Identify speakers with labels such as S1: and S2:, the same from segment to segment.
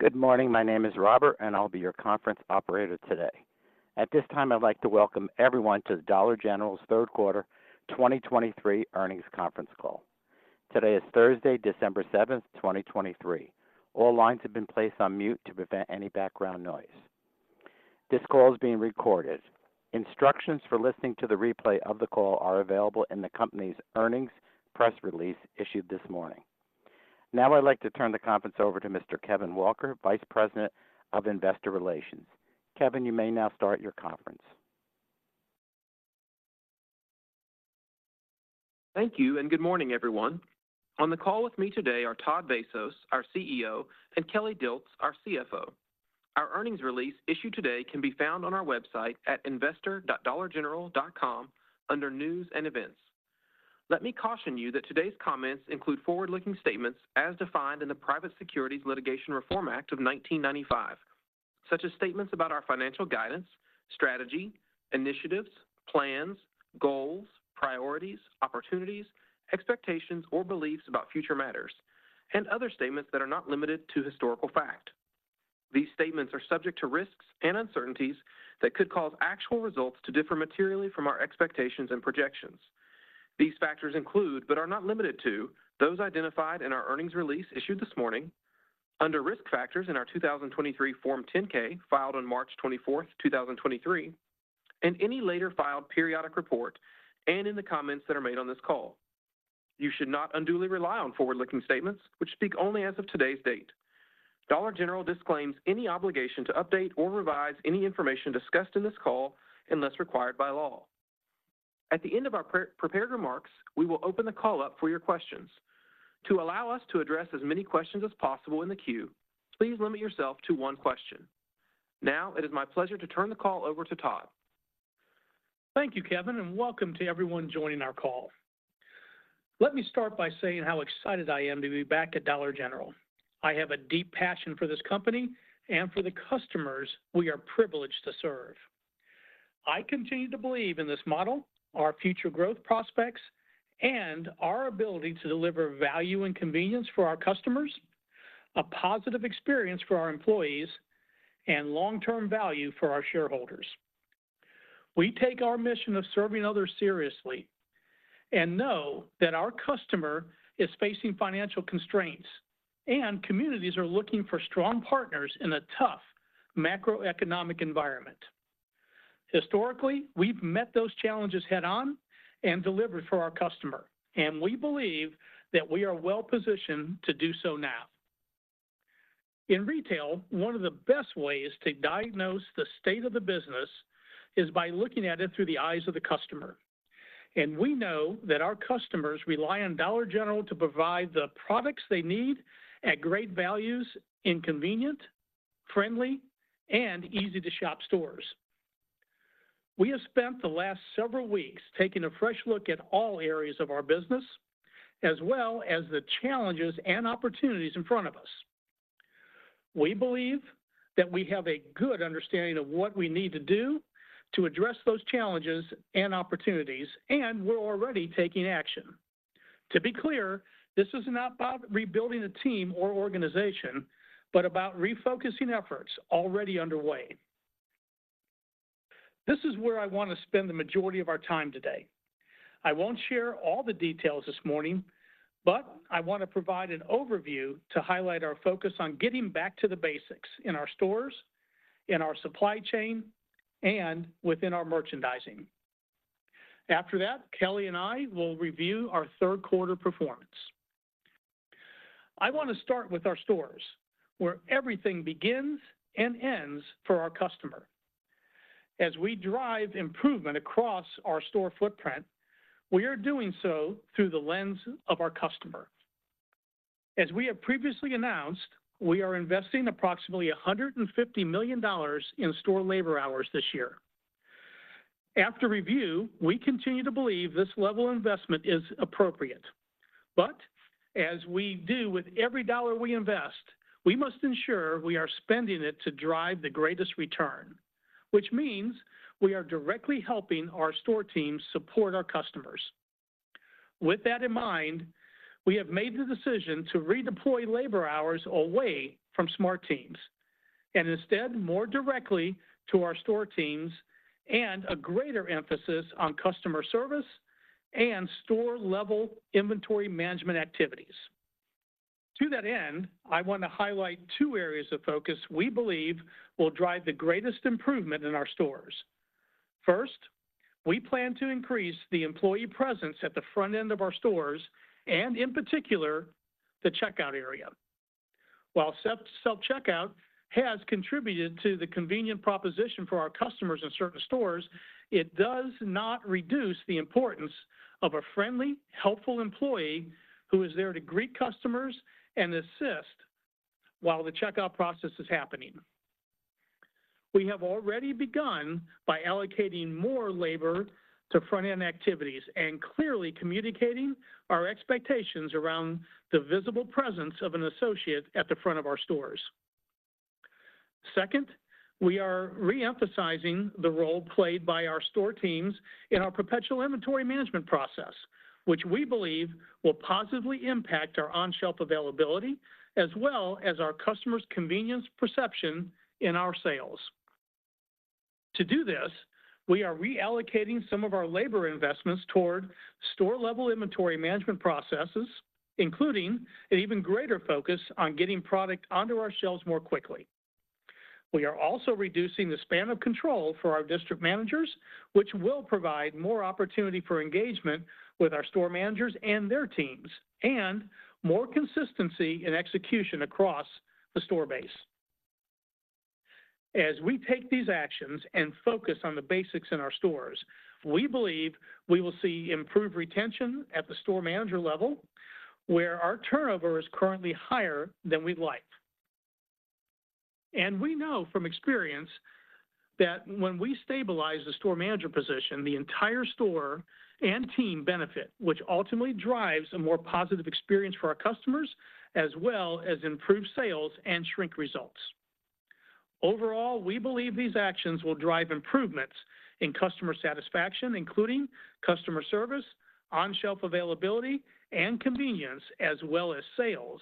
S1: Good morning. My name is Robert, and I'll be your conference operator today. At this time, I'd like to welcome everyone to the Dollar General's Third Quarter 2023 Earnings Conference Call. Today is Thursday, December 7th, 2023. All lines have been placed on mute to prevent any background noise. This call is being recorded. Instructions for listening to the replay of the call are available in the company's earnings press release issued this morning. Now, I'd like to turn the conference over to Mr. Kevin Walker, Vice President of Investor Relations. Kevin, you may now start your conference.
S2: Thank you, and good morning, everyone. On the call with me today are Todd Vasos, our CEO, and Kelly Dilts, our CFO. Our earnings release issued today can be found on our website at investor.dollargeneral.com under News and Events. Let me caution you that today's comments include forward-looking statements as defined in the Private Securities Litigation Reform Act of 1995, such as statements about our financial guidance, strategy, initiatives, plans, goals, priorities, opportunities, expectations, or beliefs about future matters, and other statements that are not limited to historical fact. These statements are subject to risks and uncertainties that could cause actual results to differ materially from our expectations and projections. These factors include, but are not limited to, those identified in our earnings release issued this morning under Risk Factors in our 2023 Form 10-K, filed on March 24, 2023, and any later filed periodic report, and in the comments that are made on this call. You should not unduly rely on forward-looking statements, which speak only as of today's date. Dollar General disclaims any obligation to update or revise any information discussed in this call unless required by law. At the end of our pre-prepared remarks, we will open the call up for your questions. To allow us to address as many questions as possible in the queue, please limit yourself to one question. Now, it is my pleasure to turn the call over to Todd.
S3: Thank you, Kevin, and welcome to everyone joining our call. Let me start by saying how excited I am to be back at Dollar General. I have a deep passion for this company and for the customers we are privileged to serve. I continue to believe in this model, our future growth prospects, and our ability to deliver value and convenience for our customers, a positive experience for our employees, and long-term value for our shareholders. We take our mission of serving others seriously and know that our customer is facing financial constraints, and communities are looking for strong partners in a tough macroeconomic environment. Historically, we've met those challenges head-on and delivered for our customer, and we believe that we are well-positioned to do so now. In retail, one of the best ways to diagnose the state of the business is by looking at it through the eyes of the customer, and we know that our customers rely on Dollar General to provide the products they need at great values in convenient, friendly, and easy-to-shop stores. We have spent the last several weeks taking a fresh look at all areas of our business, as well as the challenges and opportunities in front of us. We believe that we have a good understanding of what we need to do to address those challenges and opportunities, and we're already taking action. To be clear, this is not about rebuilding the team or organization, but about refocusing efforts already underway. This is where I want to spend the majority of our time today. I won't share all the details this morning, but I want to provide an overview to highlight our focus on getting back to the basics in our stores, in our supply chain, and within our merchandising. After that, Kelly and I will review our third-quarter performance. I want to start with our stores, where everything begins and ends for our customer. As we drive improvement across our store footprint, we are doing so through the lens of our customer. As we have previously announced, we are investing approximately $150 million in store labor hours this year. After review, we continue to believe this level of investment is appropriate. But as we do with every dollar we invest, we must ensure we are spending it to drive the greatest return, which means we are directly helping our store teams support our customers. With that in mind, we have made the decision to redeploy labor hours away from Smart Teams, and instead more directly to our store teams and a greater emphasis on customer service and store-level inventory management activities. To that end, I want to highlight two areas of focus we believe will drive the greatest improvement in our stores. First, we plan to increase the employee presence at the front end of our stores and in particular, the checkout area. While self-checkout has contributed to the convenient proposition for our customers in certain stores, it does not reduce the importance of a friendly, helpful employee who is there to greet customers and assist while the checkout process is happening. We have already begun by allocating more labor to front-end activities and clearly communicating our expectations around the visible presence of an associate at the front of our stores.... Second, we are re-emphasizing the role played by our store teams in our perpetual inventory management process, which we believe will positively impact our on-shelf availability, as well as our customers' convenience perception in our sales. To do this, we are reallocating some of our labor investments toward store-level inventory management processes, including an even greater focus on getting product onto our shelves more quickly. We are also reducing the span of control for our district managers, which will provide more opportunity for engagement with our store managers and their teams, and more consistency in execution across the store base. As we take these actions and focus on the basics in our stores, we believe we will see improved retention at the store manager level, where our turnover is currently higher than we'd like. We know from experience that when we stabilize the store manager position, the entire store and team benefit, which ultimately drives a more positive experience for our customers, as well as improved sales and shrink results. Overall, we believe these actions will drive improvements in customer satisfaction, including customer service, on-shelf availability, and convenience, as well as sales,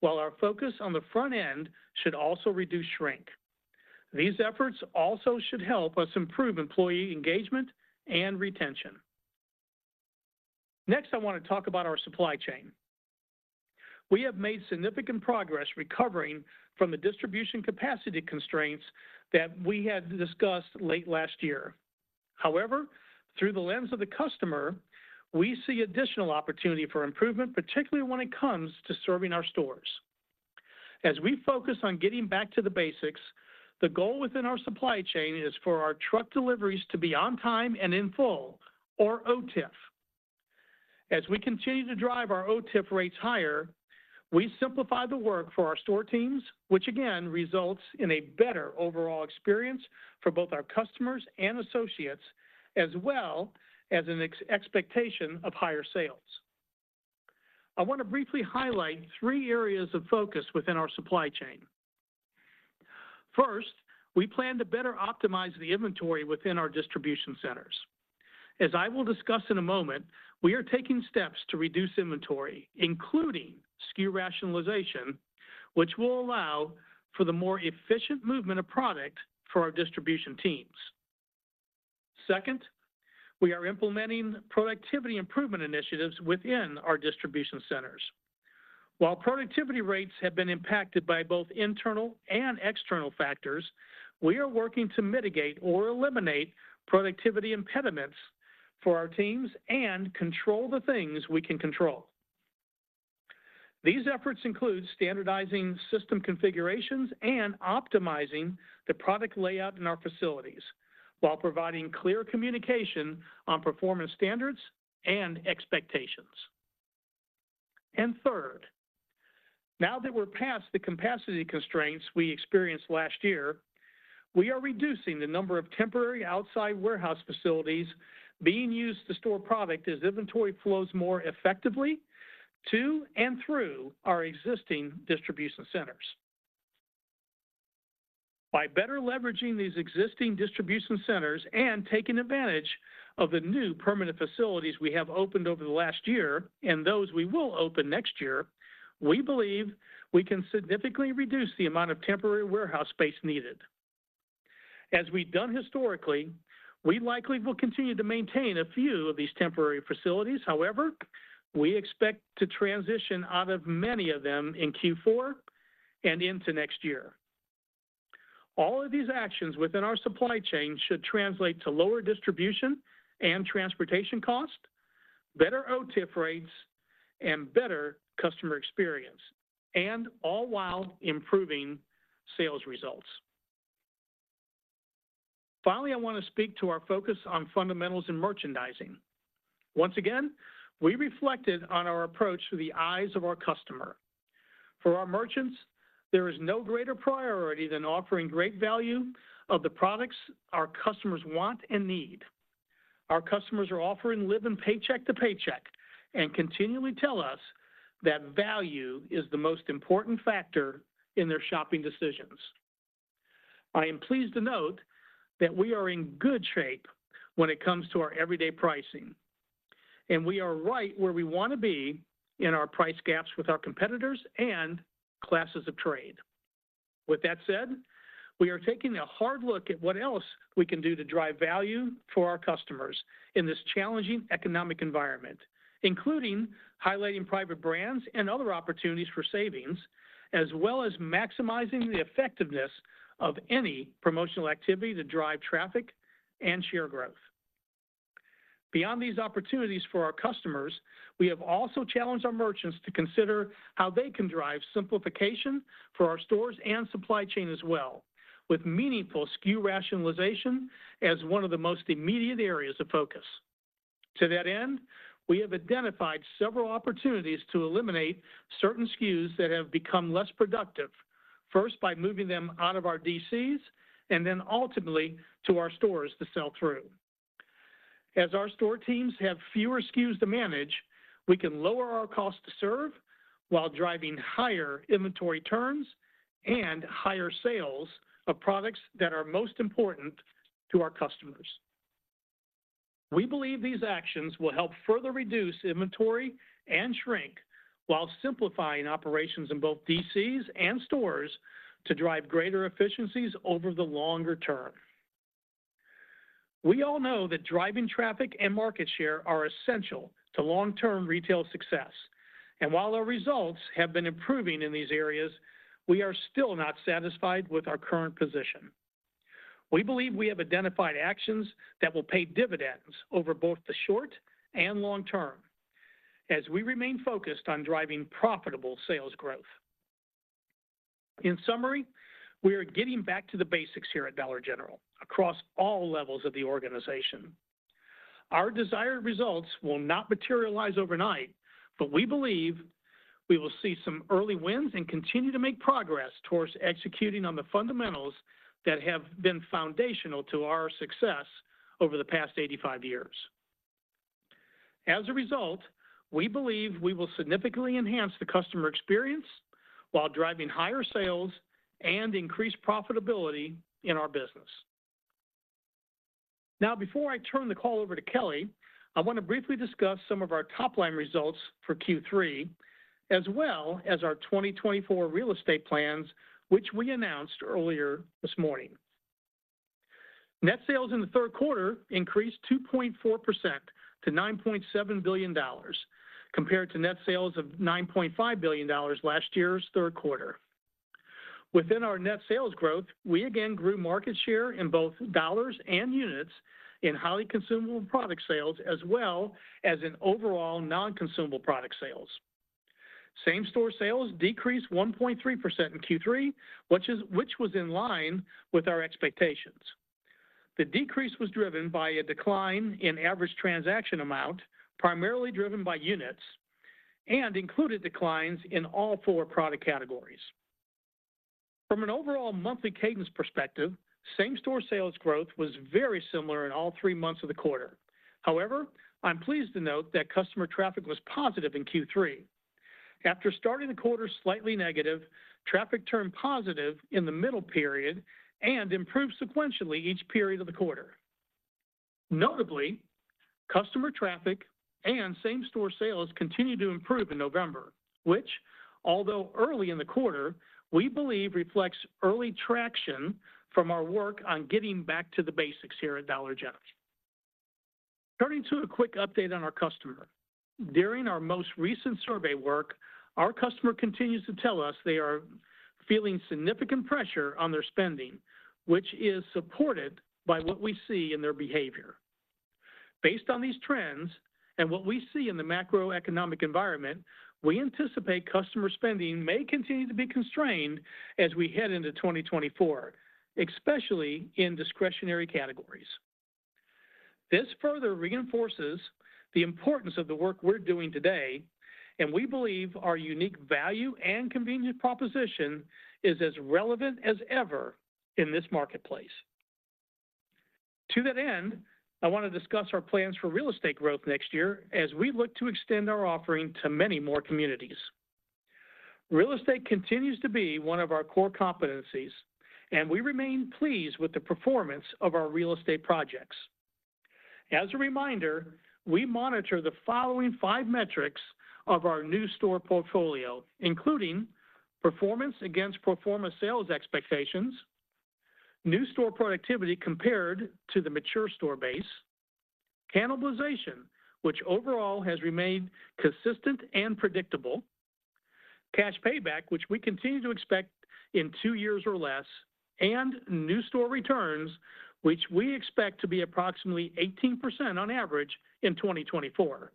S3: while our focus on the front end should also reduce shrink. These efforts also should help us improve employee engagement and retention. Next, I wanna talk about our supply chain. We have made significant progress recovering from the distribution capacity constraints that we had discussed late last year. However, through the lens of the customer, we see additional opportunity for improvement, particularly when it comes to serving our stores. As we focus on getting back to the basics, the goal within our supply chain is for our truck deliveries to be On-Time and In-Full, or OTIF. As we continue to drive our OTIF rates higher, we simplify the work for our store teams, which again, results in a better overall experience for both our customers and associates, as well as an expectation of higher sales. I wanna briefly highlight three areas of focus within our supply chain. First, we plan to better optimize the inventory within our distribution centers. As I will discuss in a moment, we are taking steps to reduce inventory, including SKU rationalization, which will allow for the more efficient movement of product for our distribution teams. Second, we are implementing productivity improvement initiatives within our distribution centers. While productivity rates have been impacted by both internal and external factors, we are working to mitigate or eliminate productivity impediments for our teams and control the things we can control. These efforts include standardizing system configurations and optimizing the product layout in our facilities, while providing clear communication on performance standards and expectations. Third, now that we're past the capacity constraints we experienced last year, we are reducing the number of temporary outside warehouse facilities being used to store product as inventory flows more effectively to and through our existing distribution centers. By better leveraging these existing distribution centers and taking advantage of the new permanent facilities we have opened over the last year and those we will open next year, we believe we can significantly reduce the amount of temporary warehouse space needed. As we've done historically, we likely will continue to maintain a few of these temporary facilities. However, we expect to transition out of many of them in Q4 and into next year. All of these actions within our supply chain should translate to lower distribution and transportation costs, better OTIF rates, and better customer experience, and all while improving sales results. Finally, I wanna speak to our focus on fundamentals in merchandising. Once again, we reflected on our approach through the eyes of our customer. For our merchants, there is no greater priority than offering great value of the products our customers want and need. Our customers are living paycheck to paycheck and continually tell us that value is the most important factor in their shopping decisions. I am pleased to note that we are in good shape when it comes to our everyday pricing, and we are right where we wanna be in our price gaps with our competitors and classes of trade. With that said, we are taking a hard look at what else we can do to drive value for our customers in this challenging economic environment, including highlighting private brands and other opportunities for savings, as well as maximizing the effectiveness of any promotional activity to drive traffic and share growth. Beyond these opportunities for our customers, we have also challenged our merchants to consider how they can drive simplification for our stores and supply chain as well, with meaningful SKU rationalization as one of the most immediate areas of focus. To that end, we have identified several opportunities to eliminate certain SKUs that have become less productive, first by moving them out of our DCs, and then ultimately to our stores to sell through. As our store teams have fewer SKUs to manage, we can lower our cost to serve, while driving higher inventory turns and higher sales of products that are most important to our customers. We believe these actions will help further reduce inventory and shrink, while simplifying operations in both DCs and stores to drive greater efficiencies over the longer term. We all know that driving traffic and market share are essential to long-term retail success, and while our results have been improving in these areas, we are still not satisfied with our current position. We believe we have identified actions that will pay dividends over both the short and long term, as we remain focused on driving profitable sales growth. In summary, we are getting back to the basics here at Dollar General, across all levels of the organization. Our desired results will not materialize overnight, but we believe we will see some early wins and continue to make progress towards executing on the fundamentals that have been foundational to our success over the past 85 years. As a result, we believe we will significantly enhance the customer experience while driving higher sales and increased profitability in our business. Now, before I turn the call over to Kelly, I want to briefly discuss some of our top-line results for Q3, as well as our 2024 real estate plans, which we announced earlier this morning. Net sales in the third quarter increased 2.4% to $9.7 billion, compared to net sales of $9.5 billion last year's third quarter. Within our net sales growth, we again grew market share in both dollars and units in highly consumable product sales, as well as in overall non-consumable product sales. Same-store sales decreased 1.3% in Q3, which was in line with our expectations. The decrease was driven by a decline in average transaction amount, primarily driven by units, and included declines in all four product categories. From an overall monthly cadence perspective, same-store sales growth was very similar in all three months of the quarter. However, I'm pleased to note that customer traffic was positive in Q3. After starting the quarter slightly negative, traffic turned positive in the middle period and improved sequentially each period of the quarter. Notably, customer traffic and same-store sales continued to improve in November, which, although early in the quarter, we believe reflects early traction from our work on getting back to the basics here at Dollar General. Turning to a quick update on our customer. During our most recent survey work, our customer continues to tell us they are feeling significant pressure on their spending, which is supported by what we see in their behavior. Based on these trends and what we see in the macroeconomic environment, we anticipate customer spending may continue to be constrained as we head into 2024, especially in discretionary categories. This further reinforces the importance of the work we're doing today, and we believe our unique value and convenience proposition is as relevant as ever in this marketplace. To that end, I want to discuss our plans for real estate growth next year as we look to extend our offering to many more communities. Real estate continues to be one of our core competencies, and we remain pleased with the performance of our real estate projects. As a reminder, we monitor the following five metrics of our new store portfolio, including performance against pro forma sales expectations, new store productivity compared to the mature store base, cannibalization, which overall has remained consistent and predictable, cash payback, which we continue to expect in 2 years or less, and new store returns, which we expect to be approximately 18% on average in 2024.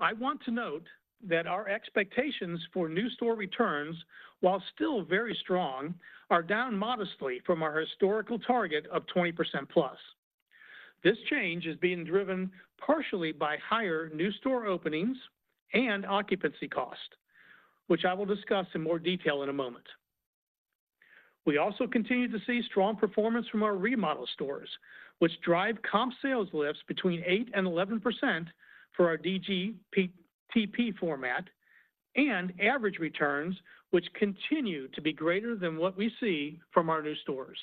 S3: I want to note that our expectations for new store returns, while still very strong, are down modestly from our historical target of 20%+. This change is being driven partially by higher new store openings and occupancy costs, which I will discuss in more detail in a moment. We also continue to see strong performance from our remodel stores, which drive comp sales lifts between 8%-11% for our DGTP format, and average returns, which continue to be greater than what we see from our new stores.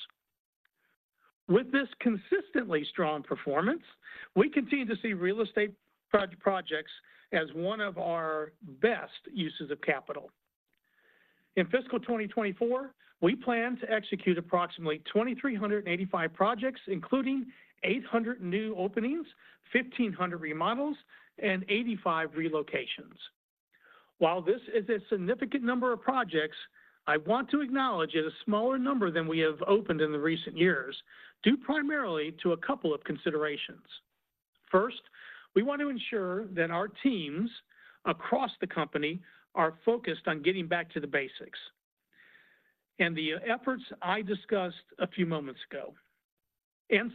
S3: With this consistently strong performance, we continue to see real estate projects as one of our best uses of capital. In fiscal 2024, we plan to execute approximately 2,385 projects, including 800 new openings, 1,500 remodels, and 85 relocations. While this is a significant number of projects, I want to acknowledge it's a smaller number than we have opened in the recent years, due primarily to a couple of considerations. First, we want to ensure that our teams across the company are focused on getting back to the basics, and the efforts I discussed a few moments ago.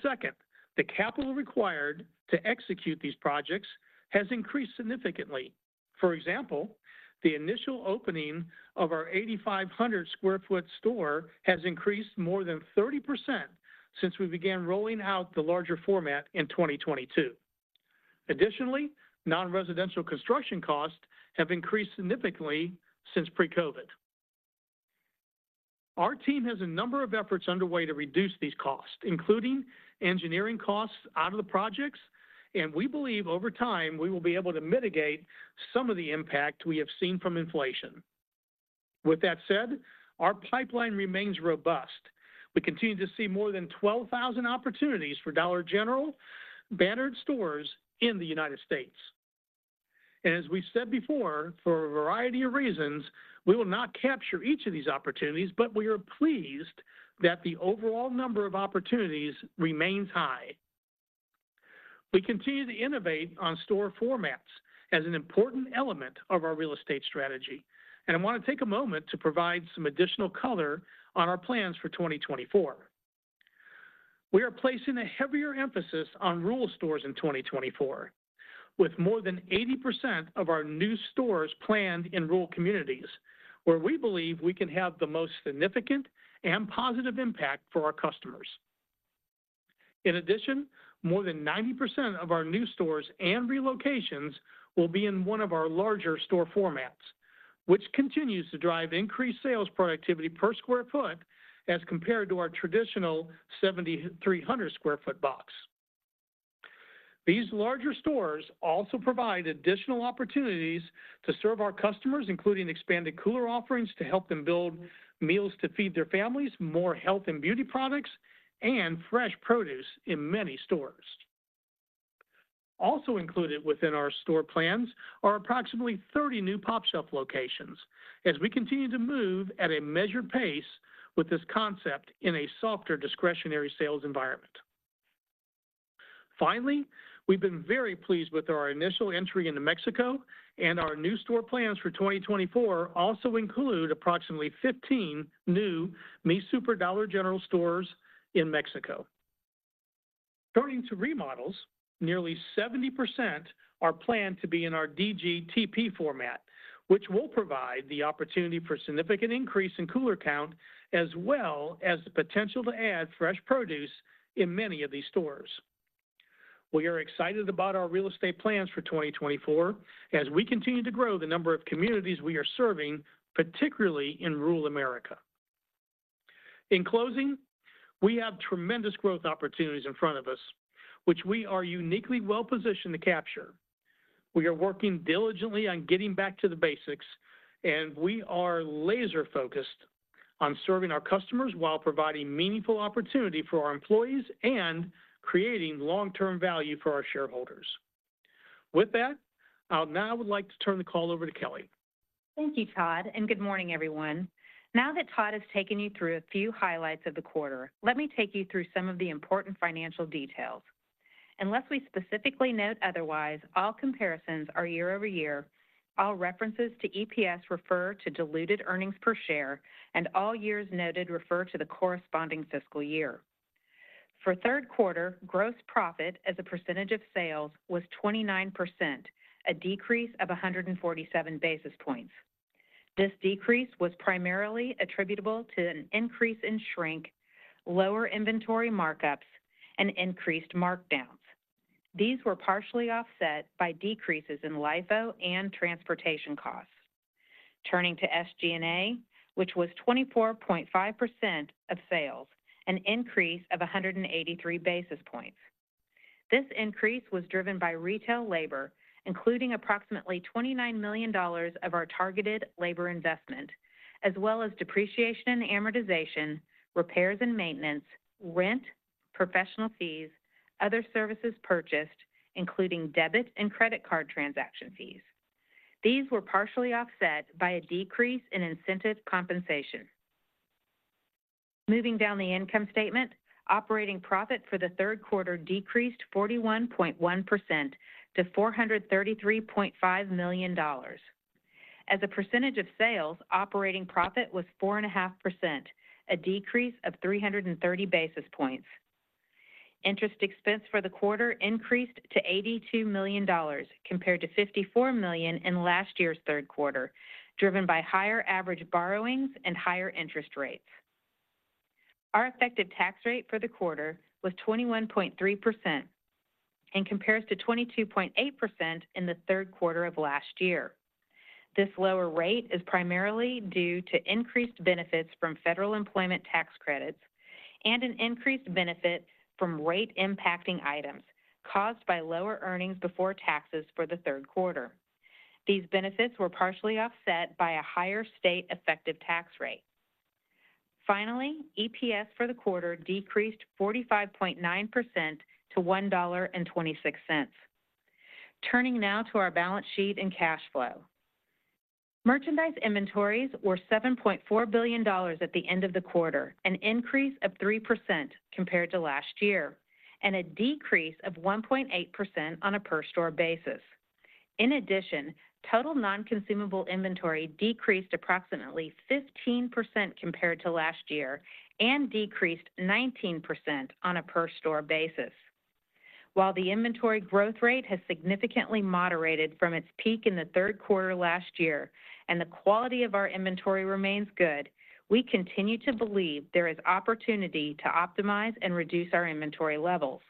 S3: Second, the capital required to execute these projects has increased significantly. For example, the initial opening of our 8,500 sq ft store has increased more than 30% since we began rolling out the larger format in 2022. Additionally, non-residential construction costs have increased significantly since pre-COVID. Our team has a number of efforts underway to reduce these costs, including engineering costs out of the projects, and we believe over time we will be able to mitigate some of the impact we have seen from inflation. With that said, our pipeline remains robust. We continue to see more than 12,000 opportunities for Dollar General bannered stores in the United States. And as we've said before, for a variety of reasons, we will not capture each of these opportunities, but we are pleased that the overall number of opportunities remains high. We continue to innovate on store formats as an important element of our real estate strategy, and I want to take a moment to provide some additional color on our plans for 2024. We are placing a heavier emphasis on rural stores in 2024, with more than 80% of our new stores planned in rural communities, where we believe we can have the most significant and positive impact for our customers. In addition, more than 90% of our new stores and relocations will be in one of our larger store formats, which continues to drive increased sales productivity per sq ft as compared to our traditional 7,300 sq ft box. These larger stores also provide additional opportunities to serve our customers, including expanded cooler offerings, to help them build meals to feed their families, more health and beauty products, and fresh produce in many stores. Also included within our store plans are approximately 30 new pOpshelf locations as we continue to move at a measured pace with this concept in a softer discretionary sales environment. Finally, we've been very pleased with our initial entry into Mexico, and our new store plans for 2024 also include approximately 15 new Mi Súper Dollar General stores in Mexico. Turning to remodels, nearly 70% are planned to be in our DGTP format, which will provide the opportunity for significant increase in cooler count, as well as the potential to add fresh produce in many of these stores. We are excited about our real estate plans for 2024 as we continue to grow the number of communities we are serving, particularly in rural America. In closing, we have tremendous growth opportunities in front of us, which we are uniquely well-positioned to capture. We are working diligently on getting back to the basics, and we are laser-focused on serving our customers while providing meaningful opportunity for our employees and creating long-term value for our shareholders. With that, I'll now would like to turn the call over to Kelly.
S4: Thank you, Todd, and good morning, everyone. Now that Todd has taken you through a few highlights of the quarter, let me take you through some of the important financial details. Unless we specifically note otherwise, all comparisons are year-over-year. All references to EPS refer to diluted earnings per share, and all years noted refer to the corresponding fiscal year. For third quarter, gross profit as a percentage of sales was 29%, a decrease of 147 basis points. This decrease was primarily attributable to an increase in shrink, lower inventory markups, and increased markdowns. These were partially offset by decreases in LIFO and transportation costs. Turning to SG&A, which was 24.5% of sales, an increase of 183 basis points. This increase was driven by retail labor, including approximately $29 million of our targeted labor investment, as well as depreciation and amortization, repairs and maintenance, rent, professional fees, other services purchased, including debit and credit card transaction fees. These were partially offset by a decrease in incentive compensation. Moving down the income statement, operating profit for the third quarter decreased 41.1% to $433.5 million. As a percentage of sales, operating profit was 4.5%, a decrease of 330 basis points. Interest expense for the quarter increased to $82 million, compared to $54 million in last year's third quarter, driven by higher average borrowings and higher interest rates. Our effective tax rate for the quarter was 21.3% and compares to 22.8% in the third quarter of last year. This lower rate is primarily due to increased benefits from federal employment tax credits and an increased benefit from rate-impacting items caused by lower earnings before taxes for the third quarter. These benefits were partially offset by a higher state effective tax rate. Finally, EPS for the quarter decreased 45.9% to $1.26. Turning now to our balance sheet and cash flow. Merchandise inventories were $7.4 billion at the end of the quarter, an increase of 3% compared to last year, and a decrease of 1.8% on a per store basis. In addition, total non-consumable inventory decreased approximately 15% compared to last year and decreased 19% on a per store basis. While the inventory growth rate has significantly moderated from its peak in the third quarter last year, and the quality of our inventory remains good, we continue to believe there is opportunity to optimize and reduce our inventory levels.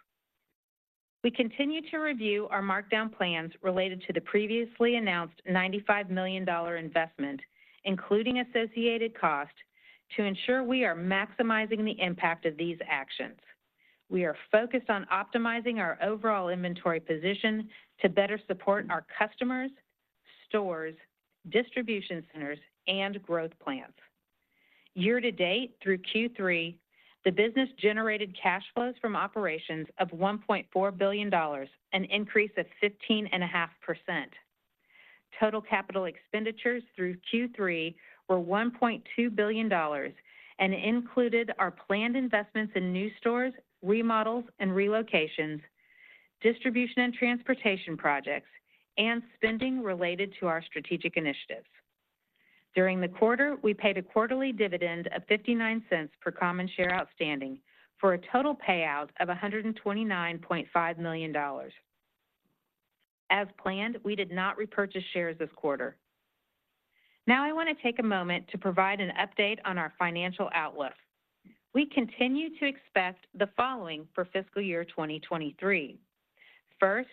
S4: We continue to review our markdown plans related to the previously announced $95 million investment, including associated cost, to ensure we are maximizing the impact of these actions. We are focused on optimizing our overall inventory position to better support our customers, stores, distribution centers, and growth plans. Year-to-date, through Q3, the business generated cash flows from operations of $1.4 billion, an increase of 15.5%. Total capital expenditures through Q3 were $1.2 billion, and it included our planned investments in new stores, remodels and relocations, distribution and transportation projects, and spending related to our strategic initiatives. During the quarter, we paid a quarterly dividend of 59 cents per common share outstanding, for a total payout of $129.5 million. As planned, we did not repurchase shares this quarter. Now, I wanna take a moment to provide an update on our financial outlook. We continue to expect the following for fiscal year 2023. First,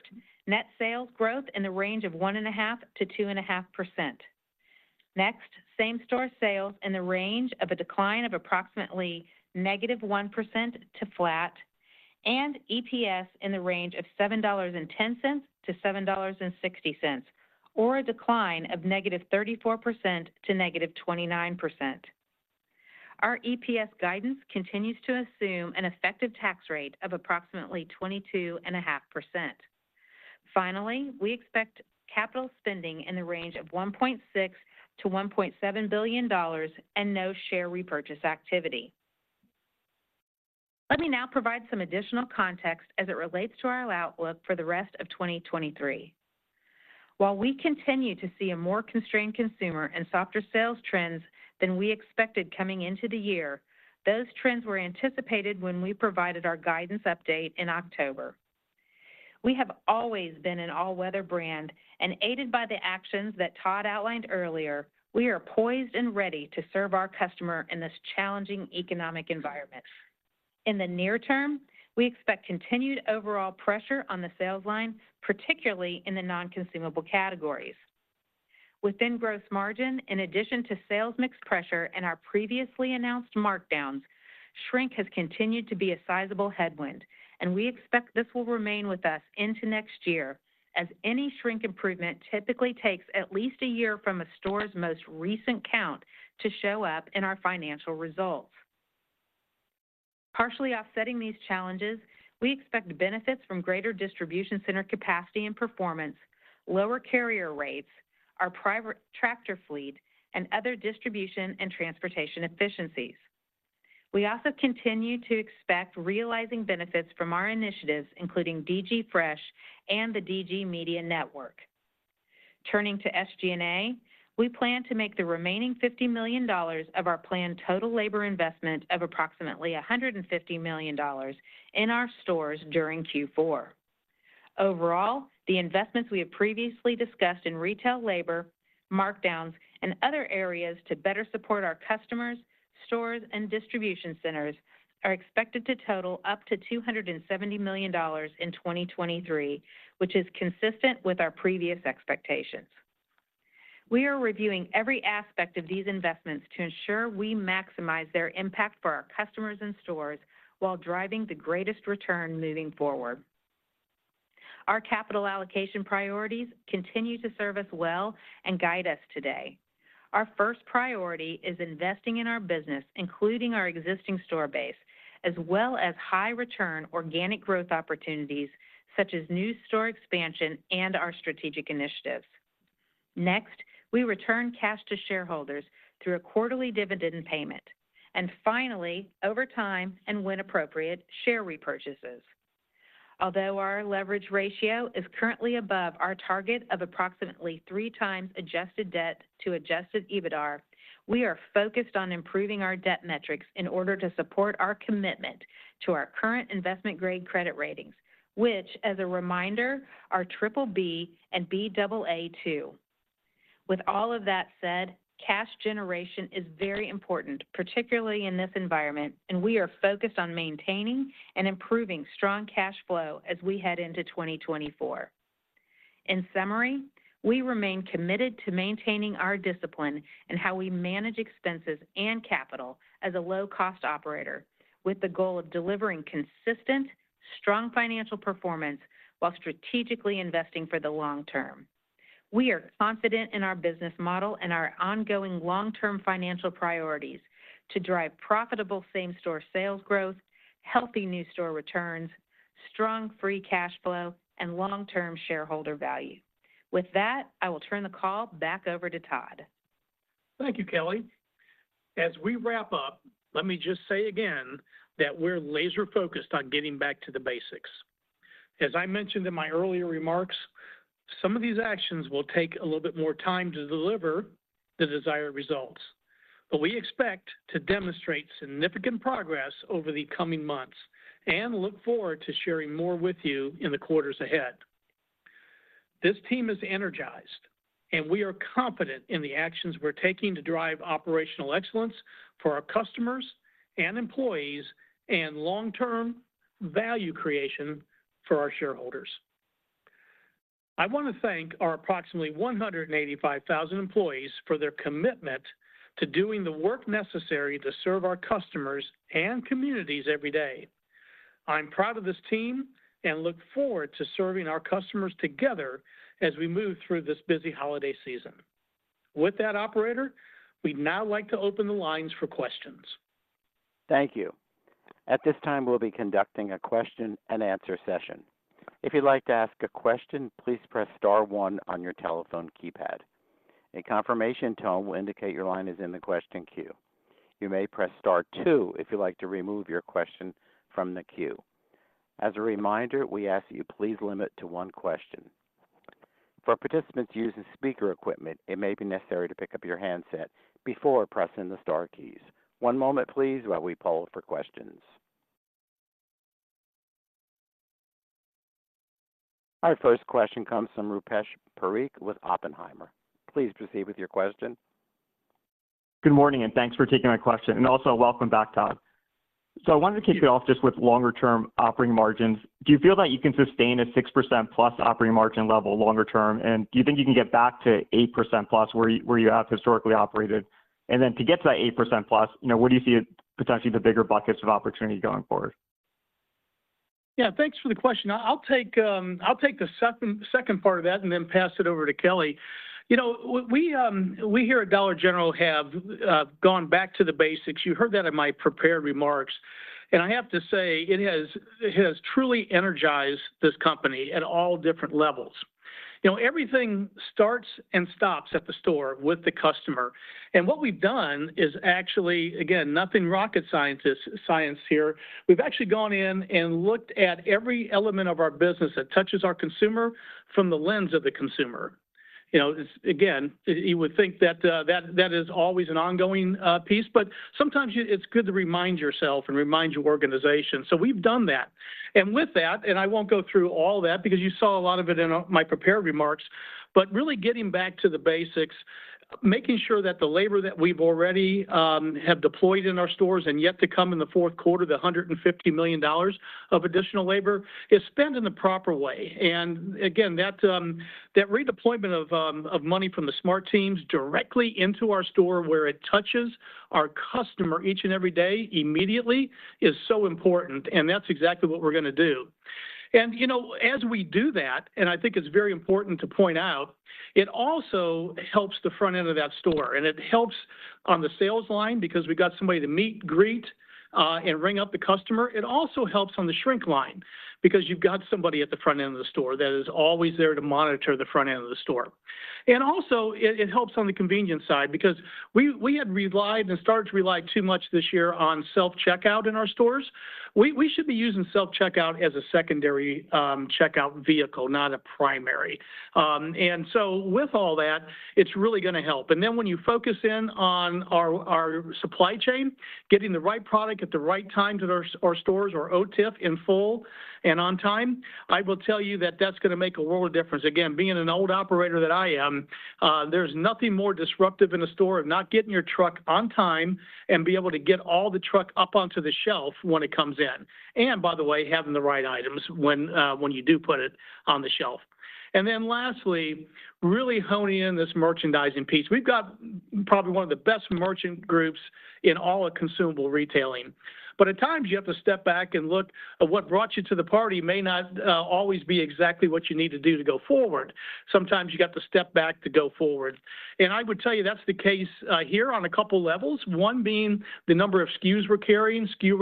S4: net sales growth in the range of 1.5%-2.5%. Next, same-store sales in the range of a decline of approximately -1% to flat, and EPS in the range of $7.10-$7.60, or a decline of -34% to -29%. Our EPS guidance continues to assume an effective tax rate of approximately 22.5%. Finally, we expect capital spending in the range of $1.6 billion-$1.7 billion and no share repurchase activity. Let me now provide some additional context as it relates to our outlook for the rest of 2023. While we continue to see a more constrained consumer and softer sales trends than we expected coming into the year, those trends were anticipated when we provided our guidance update in October. We have always been an all-weather brand, and aided by the actions that Todd outlined earlier, we are poised and ready to serve our customer in this challenging economic environment. In the near term, we expect continued overall pressure on the sales line, particularly in the non-consumable categories. Within gross margin, in addition to sales mix pressure and our previously announced markdowns, shrink has continued to be a sizable headwind, and we expect this will remain with us into next year, as any shrink improvement typically takes at least a year from a store's most recent count to show up in our financial results. Partially offsetting these challenges, we expect benefits from greater distribution center capacity and performance, lower carrier rates, our private tractor fleet, and other distribution and transportation efficiencies. We also continue to expect realizing benefits from our initiatives, including DG Fresh and the DG Media Network. Turning to SG&A, we plan to make the remaining $50 million of our planned total labor investment of approximately $150 million in our stores during Q4. Overall, the investments we have previously discussed in retail labor, markdowns, and other areas to better support our customers, stores, and distribution centers, are expected to total up to $270 million in 2023, which is consistent with our previous expectations. We are reviewing every aspect of these investments to ensure we maximize their impact for our customers and stores while driving the greatest return moving forward. Our capital allocation priorities continue to serve us well and guide us today. Our first priority is investing in our business, including our existing store base, as well as high-return organic growth opportunities, such as new store expansion and our strategic initiatives. Next, we return cash to shareholders through a quarterly dividend payment, and finally, over time and when appropriate, share repurchases. Although our leverage ratio is currently above our target of approximately 3 times adjusted debt to adjusted EBITDAR, we are focused on improving our debt metrics in order to support our commitment to our current investment-grade credit ratings, which, as a reminder, are BBB and Baa2. With all of that said, cash generation is very important, particularly in this environment, and we are focused on maintaining and improving strong cash flow as we head into 2024. In summary, we remain committed to maintaining our discipline in how we manage expenses and capital as a low-cost operator, with the goal of delivering consistent, strong financial performance while strategically investing for the long term. We are confident in our business model and our ongoing long-term financial priorities to drive profitable same-store sales growth, healthy new store returns, strong free cash flow, and long-term shareholder value. With that, I will turn the call back over to Todd.
S3: Thank you, Kelly. As we wrap up, let me just say again that we're laser-focused on getting back to the basics. As I mentioned in my earlier remarks, some of these actions will take a little bit more time to deliver the desired results, but we expect to demonstrate significant progress over the coming months and look forward to sharing more with you in the quarters ahead. This team is energized, and we are confident in the actions we're taking to drive operational excellence for our customers and employees, and long-term value creation for our shareholders. I want to thank our approximately 185,000 employees for their commitment to doing the work necessary to serve our customers and communities every day. I'm proud of this team and look forward to serving our customers together as we move through this busy holiday season. With that, operator, we'd now like to open the lines for questions.
S1: Thank you. At this time, we'll be conducting a question-and-answer session. If you'd like to ask a question, please press star one on your telephone keypad. A confirmation tone will indicate your line is in the question queue. You may press star two if you'd like to remove your question from the queue. As a reminder, we ask that you please limit to one question. For participants using speaker equipment, it may be necessary to pick up your handset before pressing the star keys. One moment please, while we poll for questions. Our first question comes from Rupesh Parikh with Oppenheimer. Please proceed with your question.
S5: Good morning, and thanks for taking my question. Also welcome back, Todd. I wanted to kick it off just with longer-term operating margins. Do you feel that you can sustain a 6%+ operating margin level longer term? And do you think you can get back to 8%+, where you have historically operated? And then to get to that 8%+, you know, where do you see potentially the bigger buckets of opportunity going forward?
S3: Yeah, thanks for the question. I'll take the second part of that and then pass it over to Kelly. You know, we here at Dollar General have gone back to the basics. You heard that in my prepared remarks. And I have to say, it has truly energized this company at all different levels. You know, everything starts and stops at the store with the customer. And what we've done is actually, again, nothing rocket science here. We've actually gone in and looked at every element of our business that touches our consumer from the lens of the consumer. You know, it's again, you would think that that is always an ongoing piece, but sometimes it's good to remind yourself and remind your organization, so we've done that. And with that, and I won't go through all that because you saw a lot of it in my prepared remarks, but really getting back to the basics, making sure that the labor that we've already have deployed in our stores and yet to come in the fourth quarter, the $150 million of additional labor, is spent in the proper way. And again, that redeployment of money from the Smart Teams directly into our store, where it touches our customer each and every day, immediately, is so important, and that's exactly what we're gonna do. And, you know, as we do that, and I think it's very important to point out, it also helps the front end of that store, and it helps on the sales line because we got somebody to meet, greet, and ring up the customer. It also helps on the shrink line because you've got somebody at the front end of the store that is always there to monitor the front end of the store. And also, it, it helps on the convenience side because we, we had relied and started to rely too much this year on self-checkout in our stores. We, we should be using self-checkout as a secondary, checkout vehicle, not a primary. And so with all that, it's really gonna help. And then when you focus in on our, our supply chain, getting the right product at the right time to our stores on OTIF in full and on time, I will tell you that that's gonna make a world of difference. Again, being an old operator that I am, there's nothing more disruptive in a store of not getting your truck on time and be able to get all the truck up onto the shelf when it comes in. And by the way, having the right items when, when you do put it on the shelf. And then lastly, really honing in this merchandising piece. We've got probably one of the best merchant groups in all of consumable retailing, but at times you have to step back and look at what brought you to the party may not, always be exactly what you need to do to go forward. Sometimes you got to step back to go forward. And I would tell you, that's the case, here on a couple levels. One being the number of SKUs we're carrying. SKU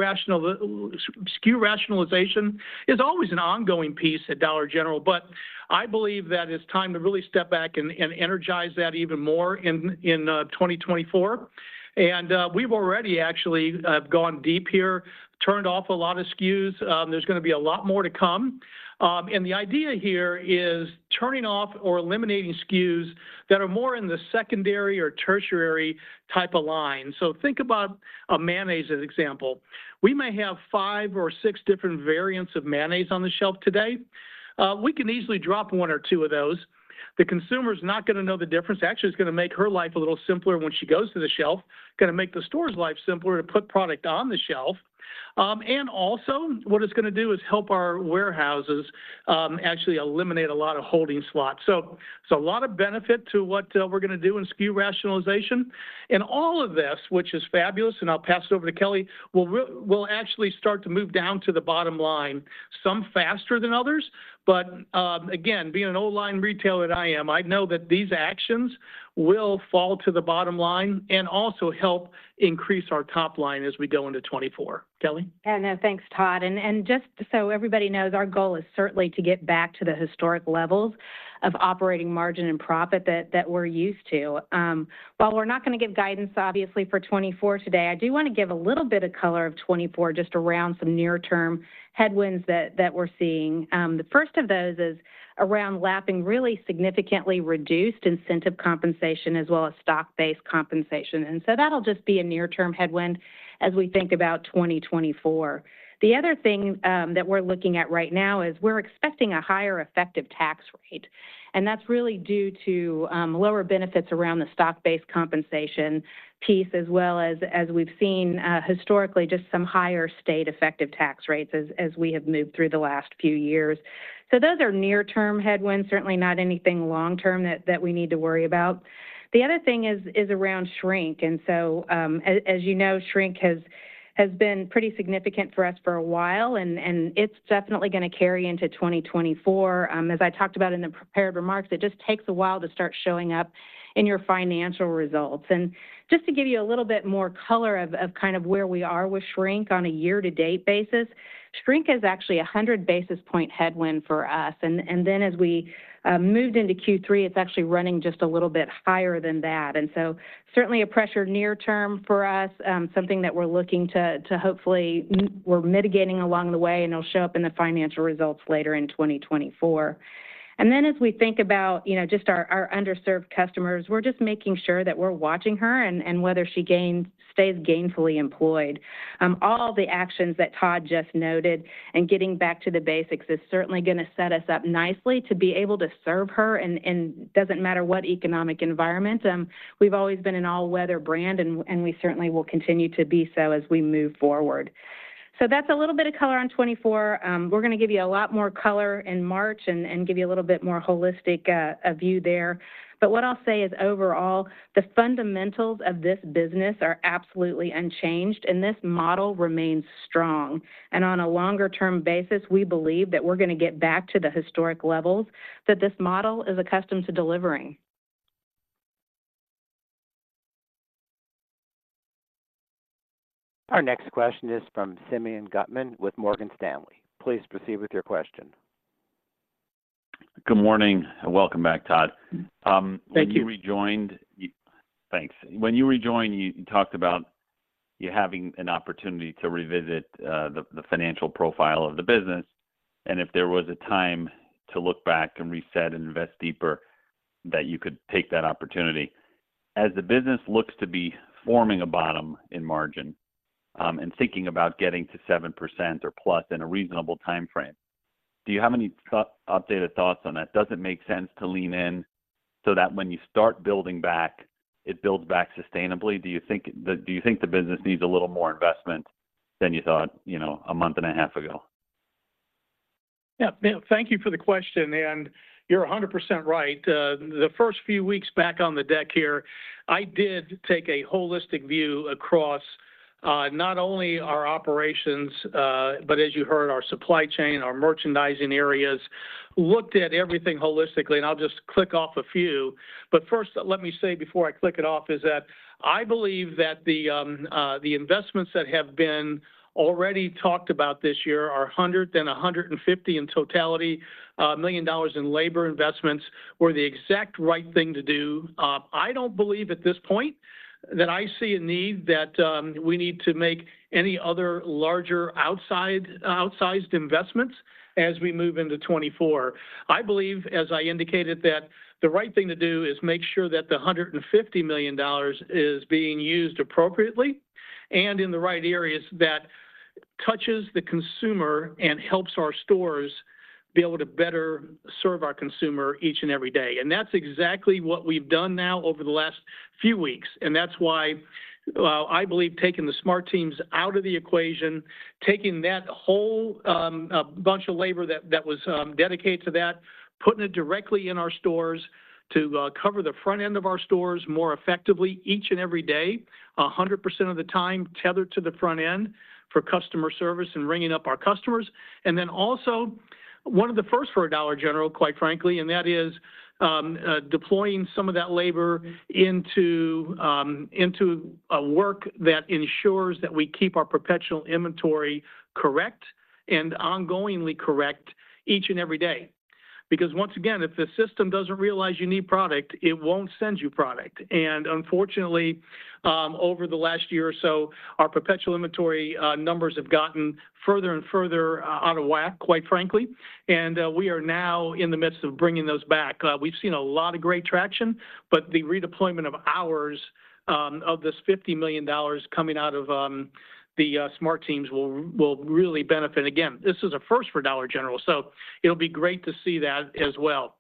S3: rationalization is always an ongoing piece at Dollar General, but I believe that it's time to really step back and energize that even more in 2024. We've already actually gone deep here, turned off a lot of SKUs. There's gonna be a lot more to come. And the idea here is turning off or eliminating SKUs that are more in the secondary or tertiary type of line. So think about a mayonnaise, as example. We may have five or six different variants of mayonnaise on the shelf today. We can easily drop one or two of those. The consumer is not gonna know the difference. Actually, it's gonna make her life a little simpler when she goes to the shelf. Gonna make the store's life simpler to put product on the shelf. And also what it's gonna do is help our warehouses, actually eliminate a lot of holding slots. So, a lot of benefit to what we're gonna do in SKU rationalization and all of this, which is fabulous, and I'll pass it over to Kelly, will actually start to move down to the bottom line, some faster than others. But, again, being an old-line retailer that I am, I know that these actions will fall to the bottom line and also help increase our top line as we go into 2024. Kelly?
S4: Yeah. No, thanks, Todd. And, and just so everybody knows, our goal is certainly to get back to the historic levels of operating margin and profit that, that we're used to. While we're not gonna give guidance, obviously, for 2024 today, I do wanna give a little bit of color of 2024, just around some near term headwinds that, that we're seeing. The first of those is around lapping really significantly reduced incentive compensation, as well as stock-based compensation. And so that'll just be a near term headwind as we think about 2024. The other thing that we're looking at right now is we're expecting a higher effective tax rate, and that's really due to lower benefits around the stock-based compensation piece, as well as, as we've seen historically, just some higher state effective tax rates as we have moved through the last few years. So those are near-term headwinds, certainly not anything long term that we need to worry about. The other thing is around shrink, and so, as you know, shrink has been pretty significant for us for a while, and it's definitely gonna carry into 2024. As I talked about in the prepared remarks, it just takes a while to start showing up in your financial results. Just to give you a little bit more color of, of kind of where we are with shrink on a year to date basis, shrink is actually a 100 basis point headwind for us. As we moved into Q3, it's actually running just a little bit higher than that, and so certainly a pressure near term for us. Something that we're looking to, to hopefully we're mitigating along the way, and it'll show up in the financial results later in 2024. Then as we think about, you know, just our, our underserved customers, we're just making sure that we're watching her and, and whether she stays gainfully employed. All the actions that Todd just noted and getting back to the basics is certainly gonna set us up nicely to be able to serve others in any economic environment. We've always been an all-weather brand, and we certainly will continue to be so as we move forward. So that's a little bit of color on 2024. We're gonna give you a lot more color in March and give you a little bit more holistic view there. But what I'll say is, overall, the fundamentals of this business are absolutely unchanged, and this model remains strong. And on a longer-term basis, we believe that we're gonna get back to the historic levels that this model is accustomed to delivering.
S1: Our next question is from Simeon Gutman with Morgan Stanley. Please proceed with your question.
S6: Good morning, and welcome back, Todd.
S3: Thank you.
S6: When you rejoined. Thanks. When you rejoined, you talked about you having an opportunity to revisit, the financial profile of the business, and if there was a time to look back and reset and invest deeper, that you could take that opportunity. As the business looks to be forming a bottom in margin, and thinking about getting to 7% or plus in a reasonable timeframe, do you have any updated thoughts on that? Does it make sense to lean in so that when you start building back, it builds back sustainably? Do you think the business needs a little more investment than you thought, you know, a month and a half ago?
S3: Yeah. Thank you for the question, and you're 100% right. The first few weeks back on the deck here, I did take a holistic view across, not only our operations, but as you heard, our supply chain, our merchandising areas. Looked at everything holistically, and I'll just click off a few. But first, let me say, before I click it off, that I believe that the investments that have been already talked about this year are $100 million and $150 million, in totality, in labor investments, were the exact right thing to do. I don't believe at this point that I see a need that we need to make any other larger outsized investments as we move into 2024. I believe, as I indicated, that the right thing to do is make sure that the $150 million is being used appropriately and in the right areas that touches the consumer and helps our stores be able to better serve our consumer each and every day. That's exactly what we've done now over the last few weeks, and that's why I believe taking the Smart Teams out of the equation, taking that whole bunch of labor that was dedicated to that, putting it directly in our stores to cover the front end of our stores more effectively each and every day, 100% of the time, tethered to the front end for customer service and ringing up our customers. And then also one of the first for Dollar General, quite frankly, and that is deploying some of that labor into a work that ensures that we keep our perpetual inventory correct and ongoingly correct each and every day. Because once again, if the system doesn't realize you need product, it won't send you product. And unfortunately, over the last year or so, our perpetual inventory numbers have gotten further and further out of whack, quite frankly, and we are now in the midst of bringing those back. We've seen a lot of great traction, but the redeployment of hours of this $50 million coming out of the Smart Teams will really benefit. Again, this is a first for Dollar General, so it'll be great to see that as well.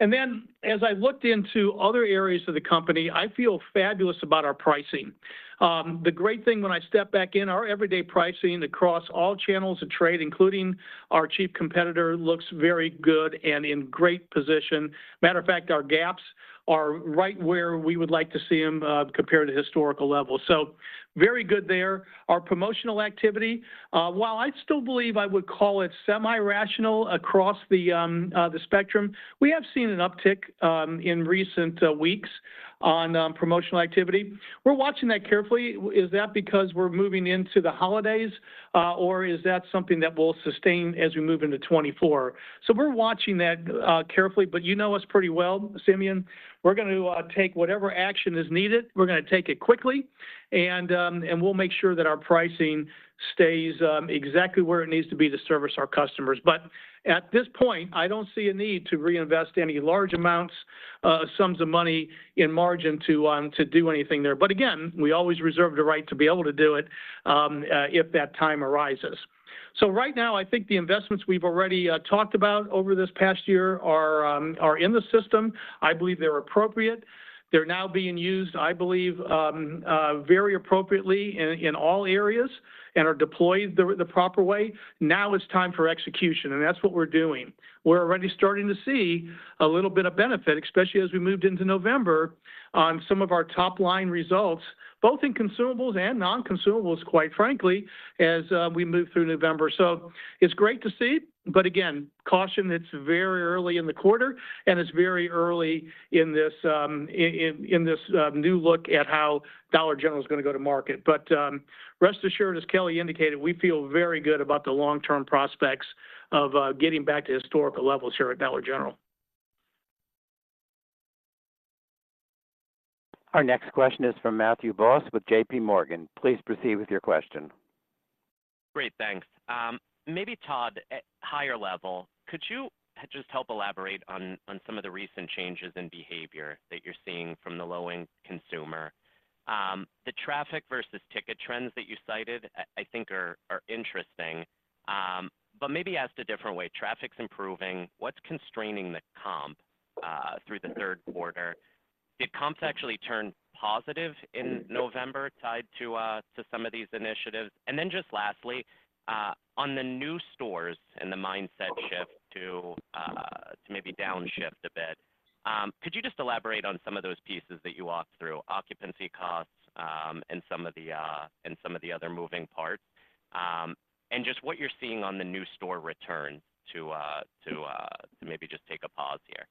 S3: And then, as I looked into other areas of the company, I feel fabulous about our pricing. The great thing when I step back in, our everyday pricing across all channels of trade, including our cheap competitor, looks very good and in great position. Matter of fact, our gaps are right where we would like to see them, compared to historical levels, so very good there. Our promotional activity, while I still believe I would call it semi-rational across the spectrum, we have seen an uptick in recent weeks on promotional activity. We're watching that carefully. Is that because we're moving into the holidays, or is that something that will sustain as we move into 2024? So we're watching that carefully, but you know us pretty well, Simeon. We're going to take whatever action is needed, we're gonna take it quickly, and we'll make sure that our pricing stays exactly where it needs to be to service our customers. But at this point, I don't see a need to reinvest any large sums of money in margin to do anything there. But again, we always reserve the right to be able to do it if that time arises. So right now, I think the investments we've already talked about over this past year are in the system. I believe they're appropriate. They're now being used, I believe, very appropriately in all areas and are deployed the proper way. Now it's time for execution, and that's what we're doing. We're already starting to see a little bit of benefit, especially as we moved into November on some of our top-line results, both in consumables and non-consumables, quite frankly, as we move through November. So it's great to see, but again, caution, it's very early in the quarter and it's very early in this new look at how Dollar General is gonna go to market. But rest assured, as Kelly indicated, we feel very good about the long-term prospects of getting back to historical levels here at Dollar General.
S1: Our next question is from Matthew Boss with JPMorgan. Please proceed with your question.
S7: Great, thanks. Maybe Todd, at higher level, could you just help elaborate on some of the recent changes in behavior that you're seeing from the low-end consumer? The traffic versus ticket trends that you cited, I think are interesting. But maybe asked a different way, traffic's improving, what's constraining the comp through the third quarter? Did comps actually turn positive in November, tied to some of these initiatives? And then just lastly, on the new stores and the mindset shift to maybe downshift a bit, could you just elaborate on some of those pieces that you walked through, occupancy costs, and some of the other moving parts? And just what you're seeing on the new store return to maybe just take a pause here.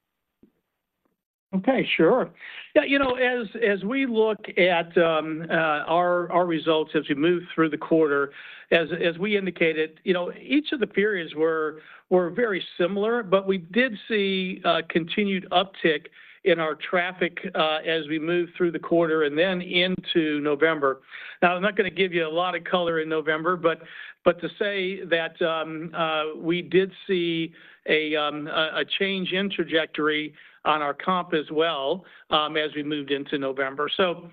S3: Okay, sure. Yeah, you know, as we look at our results as we move through the quarter, as we indicated, you know, each of the periods were very similar, but we did see a continued uptick in our traffic, as we moved through the quarter and then into November. Now, I'm not gonna give you a lot of color in November, but to say that we did see a change in trajectory on our comp as well, as we moved into November. So,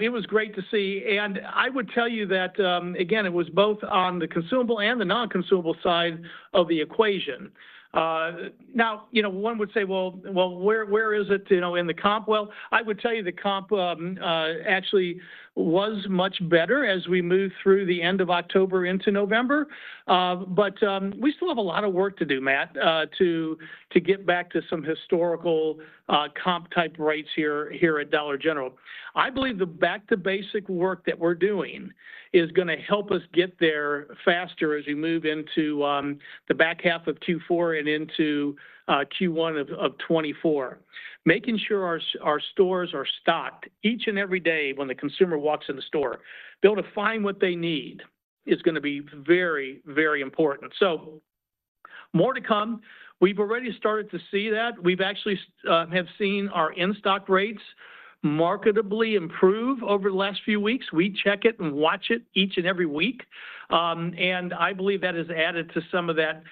S3: it was great to see, and I would tell you that, again, it was both on the consumable and the non-consumable side of the equation. Now, you know, one would say, "Well, well, where, where is it, you know, in the comp?" Well, I would tell you the comp, actually was much better as we moved through the end of October into November. But we still have a lot of work to do, Matt, to get back to some historical comp type rates here at Dollar General. I believe the back-to-basic work that we're doing is gonna help us get there faster as we move into the back half of Q4 and into Q1 of 2024. Making sure our stores are stocked each and every day when the consumer walks in the store, be able to find what they need, is gonna be very, very important. So more to come. We've already started to see that. We've actually have seen our in-stock rates markedly improve over the last few weeks. We check it and watch it each and every week, and I believe that has added to some of that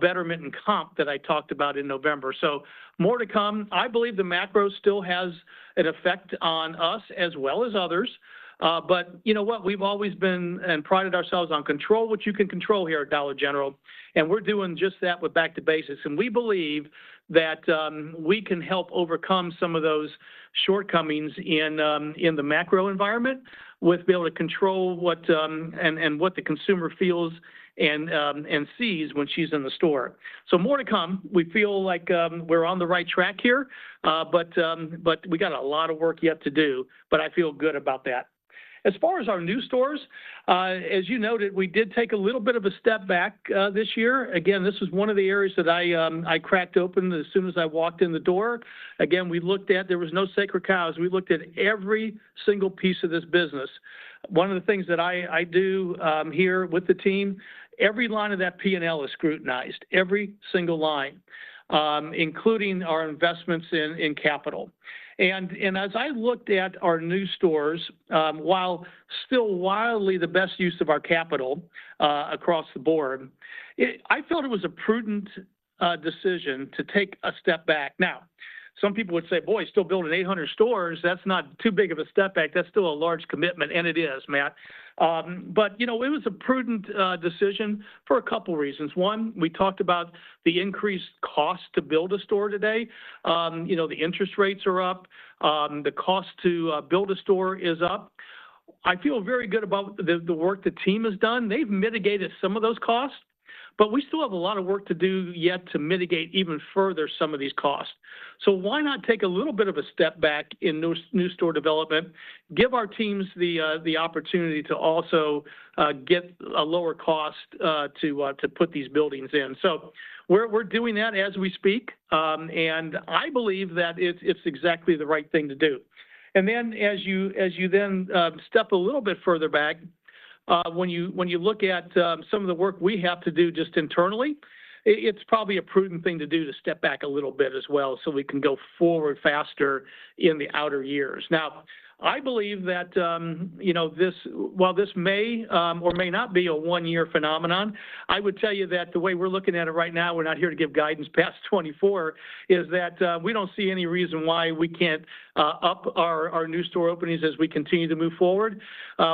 S3: betterment in comp that I talked about in November. So more to come. I believe the macro still has an effect on us as well as others. But you know what? We've always been and prided ourselves on control, what you can control here at Dollar General, and we're doing just that with back to basics. And we believe that we can help overcome some of those shortcomings in the macro environment with being able to control what and what the consumer feels and sees when she's in the store. So more to come. We feel like, we're on the right track here, but, but we got a lot of work yet to do, but I feel good about that. As far as our new stores, as you noted, we did take a little bit of a step back, this year. Again, this is one of the areas that I, I cracked open as soon as I walked in the door. Again, we looked at. There was no sacred cows. We looked at every single piece of this business. One of the things that I, I do, here with the team, every line of that P&L is scrutinized, every single line, including our investments in, in capital. As I looked at our new stores, while still wildly the best use of our capital across the board, it. I felt it was a prudent decision to take a step back. Now, some people would say, "Boy, still building 800 stores, that's not too big of a step back. That's still a large commitment." And it is, Matt. But, you know, it was a prudent decision for a couple of reasons. One, we talked about the increased cost to build a store today. You know, the interest rates are up, the cost to build a store is up. I feel very good about the work the team has done. They've mitigated some of those costs, but we still have a lot of work to do yet to mitigate even further some of these costs. So why not take a little bit of a step back in new store development, give our teams the opportunity to also get a lower cost to put these buildings in? So we're doing that as we speak, and I believe that it's exactly the right thing to do. And then as you then step a little bit further back when you look at some of the work we have to do just internally, it's probably a prudent thing to do to step back a little bit as well, so we can go forward faster in the outer years. Now, I believe that, you know, this while this may or may not be a one-year phenomenon, I would tell you that the way we're looking at it right now, we're not here to give guidance past 2024, is that we don't see any reason why we can't up our new store openings as we continue to move forward.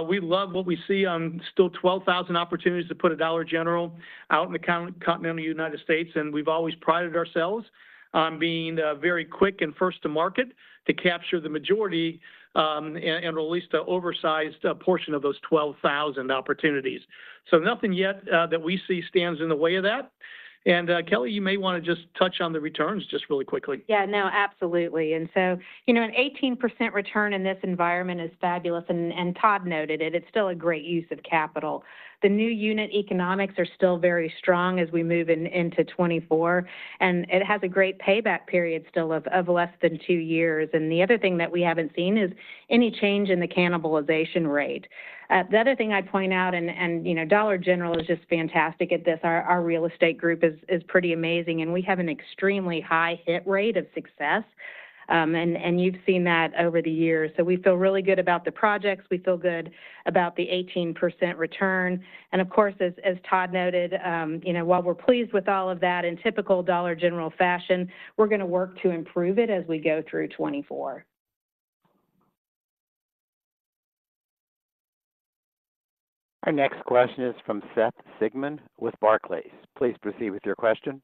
S3: We love what we see. Still 12,000 opportunities to put a Dollar General out in the continental United States, and we've always prided ourselves on being very quick and first to market to capture the majority and at least the oversized portion of those 12,000 opportunities. So nothing yet that we see stands in the way of that. And, Kelly, you may wanna just touch on the returns just really quickly.
S4: Yeah, no, absolutely. And so, you know, an 18% return in this environment is fabulous, and, and Todd noted it. It's still a great use of capital. The new unit economics are still very strong as we move in, into 2024, and it has a great payback period still of, of less than two years. And the other thing that we haven't seen is any change in the cannibalization rate. The other thing I'd point out, and, and, you know, Dollar General is just fantastic at this. Our, our real estate group is, is pretty amazing, and we have an extremely high hit rate of success. And, and you've seen that over the years. So we feel really good about the projects, we feel good about the 18% return, and of course, as Todd noted, you know, while we're pleased with all of that, in typical Dollar General fashion, we're gonna work to improve it as we go through 2024.
S1: Our next question is from Seth Sigman with Barclays. Please proceed with your question.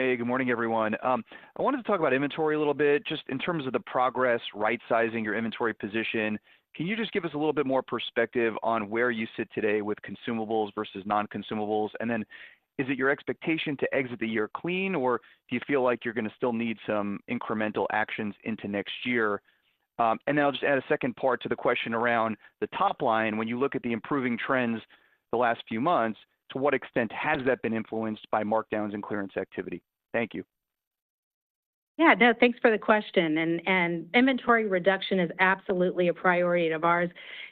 S8: Hey, good morning, everyone. I wanted to talk about inventory a little bit, just in terms of the progress, right-sizing your inventory position. Can you just give us a little bit more perspective on where you sit today with consumables versus non-consumables? And then, is it your expectation to exit the year clean, or do you feel like you're gonna still need some incremental actions into next year? And then I'll just add a second part to the question around the top line. When you look at the improving trends the last few months, to what extent has that been influenced by markdowns and clearance activity? Thank you.
S4: Yeah. No, thanks for the question, and inventory reduction is absolutely a priority of ours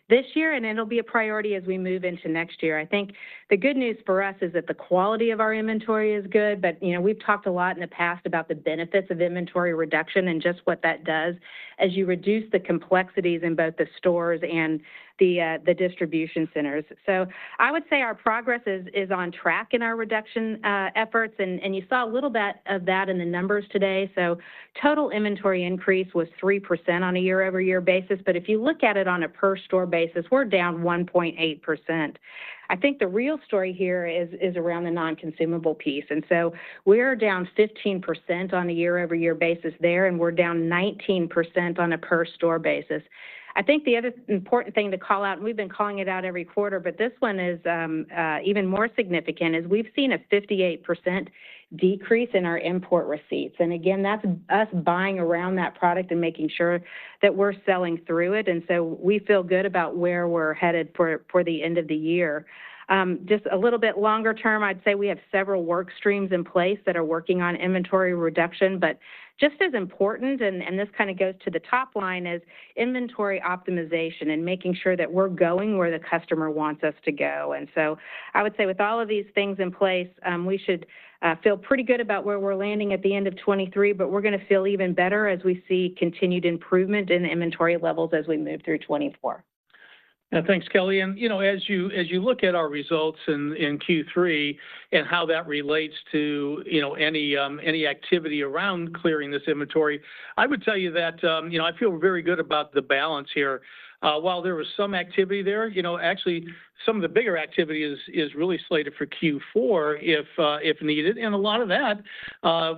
S4: this year, and it'll be a priority as we move into next year. I think the good news for us is that the quality of our inventory is good, but, you know, we've talked a lot in the past about the benefits of inventory reduction and just what that does as you reduce the complexities in both the stores and the distribution centers. So I would say our progress is on track in our reduction efforts, and you saw a little bit of that in the numbers today. So total inventory increase was 3% on a year-over-year basis, but if you look at it on a per store basis, we're down 1.8%. I think the real story here is, is around the non-consumable piece, and so we're down 15% on a year-over-year basis there, and we're down 19% on a per store basis. I think the other important thing to call out, and we've been calling it out every quarter, but this one is even more significant, is we've seen a 58% decrease in our import receipts. And again, that's us buying around that product and making sure that we're selling through it. And so we feel good about where we're headed for, for the end of the year. Just a little bit longer term, I'd say we have several work streams in place that are working on inventory reduction, but just as important, and, and this kind of goes to the top line, is inventory optimization and making sure that we're going where the customer wants us to go. And so I would say with all of these things in place, we should feel pretty good about where we're landing at the end of 2023, but we're gonna feel even better as we see continued improvement in the inventory levels as we move through 2024.
S3: Yeah. Thanks, Kelly. And, you know, as you look at our results in Q3 and how that relates to, you know, any activity around clearing this inventory, I would tell you that, you know, I feel very good about the balance here. While there was some activity there, you know, actually, some of the bigger activity is really slated for Q4, if needed, and a lot of that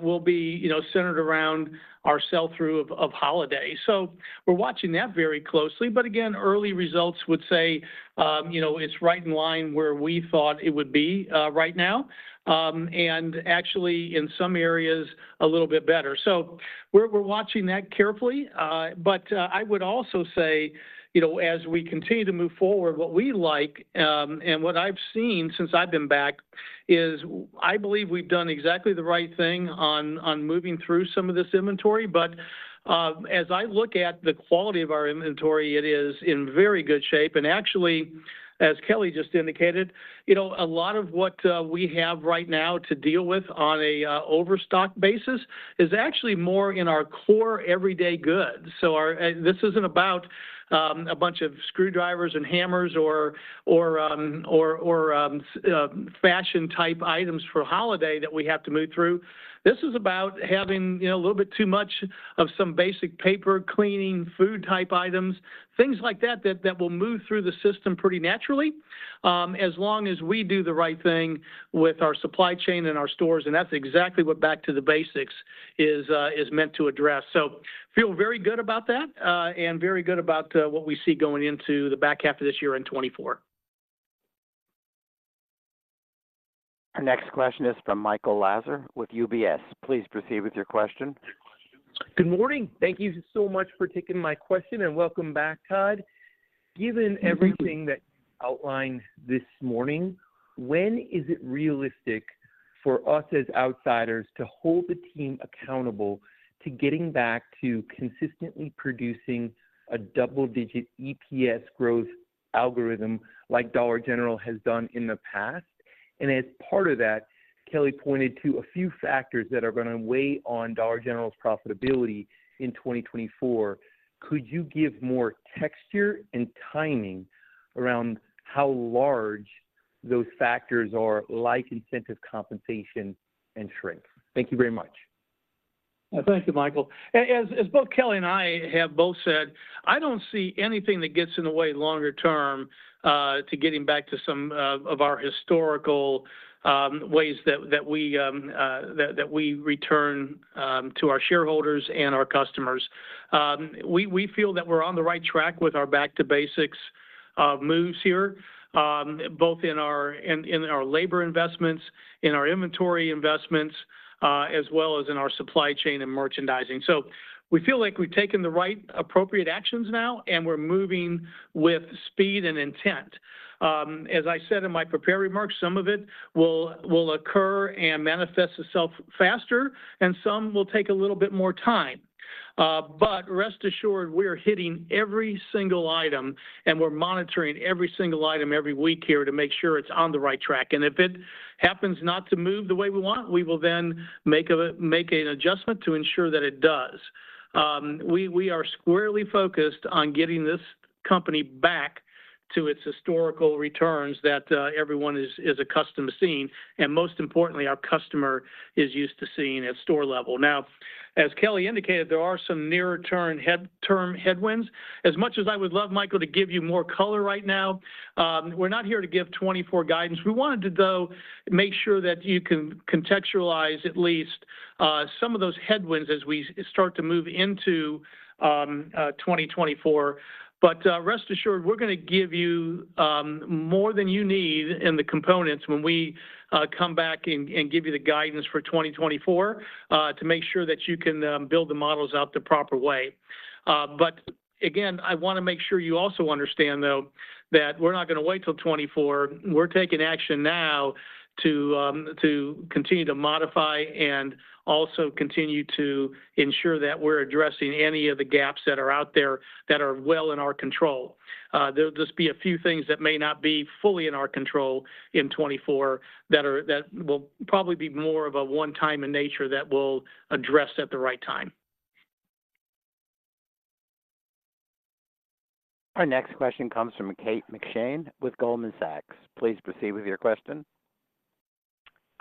S3: will be, you know, centered around our sell-through of holiday. So we're watching that very closely, but again, early results would say, you know, it's right in line where we thought it would be, right now. And actually, in some areas, a little bit better. So we're watching that carefully, but I would also say, you know, as we continue to move forward, what we like and what I've seen since I've been back, is I believe we've done exactly the right thing on moving through some of this inventory. But as I look at the quality of our inventory, it is in very good shape. And actually, as Kelly just indicated, you know, a lot of what we have right now to deal with on a overstock basis, is actually more in our core everyday goods. And this isn't about a bunch of screwdrivers and hammers or fashion-type items for holiday that we have to move through. This is about having, you know, a little bit too much of some basic paper, cleaning, food-type items, things like that that will move through the system pretty naturally, as long as we do the right thing with our supply chain and our stores, and that's exactly what back to the basics is meant to address. So feel very good about that, and very good about what we see going into the back half of this year in 2024.
S1: Our next question is from Michael Lasser with UBS. Please proceed with your question.
S9: Good morning. Thank you so much for taking my question, and welcome back, Todd. Given everything-
S3: Thank you...
S9: that you outlined this morning, when is it realistic for us as outsiders to hold the team accountable to getting back to consistently producing a double-digit EPS growth algorithm like Dollar General has done in the past. And as part of that, Kelly pointed to a few factors that are going to weigh on Dollar General's profitability in 2024. Could you give more texture and timing around how large those factors are, like incentive compensation and shrink? Thank you very much.
S3: Thank you, Michael. As both Kelly and I have both said, I don't see anything that gets in the way longer term to getting back to some of our historical ways that we return to our shareholders and our customers. We feel that we're on the right track with our back-to-basics moves here, both in our labor investments, in our inventory investments, as well as in our supply chain and merchandising. So we feel like we've taken the right appropriate actions now, and we're moving with speed and intent. As I said in my prepared remarks, some of it will occur and manifest itself faster, and some will take a little bit more time. But rest assured, we're hitting every single item, and we're monitoring every single item every week here to make sure it's on the right track. And if it happens not to move the way we want, we will then make an adjustment to ensure that it does. We are squarely focused on getting this company back to its historical returns that everyone is accustomed to seeing, and most importantly, our customer is used to seeing at store level. Now, as Kelly indicated, there are some near-term headwinds. As much as I would love, Michael, to give you more color right now, we're not here to give 2024 guidance. We wanted to, though, make sure that you can contextualize at least some of those headwinds as we start to move into 2024. But, rest assured, we're going to give you more than you need in the components when we come back and give you the guidance for 2024, to make sure that you can build the models out the proper way. But again, I want to make sure you also understand, though, that we're not going to wait till 2024. We're taking action now to continue to modify and also continue to ensure that we're addressing any of the gaps that are out there that are well in our control. There'll just be a few things that may not be fully in our control in 2024, that are-- that will probably be more of a one time in nature that we'll address at the right time.
S1: Our next question comes from Kate McShane with Goldman Sachs. Please proceed with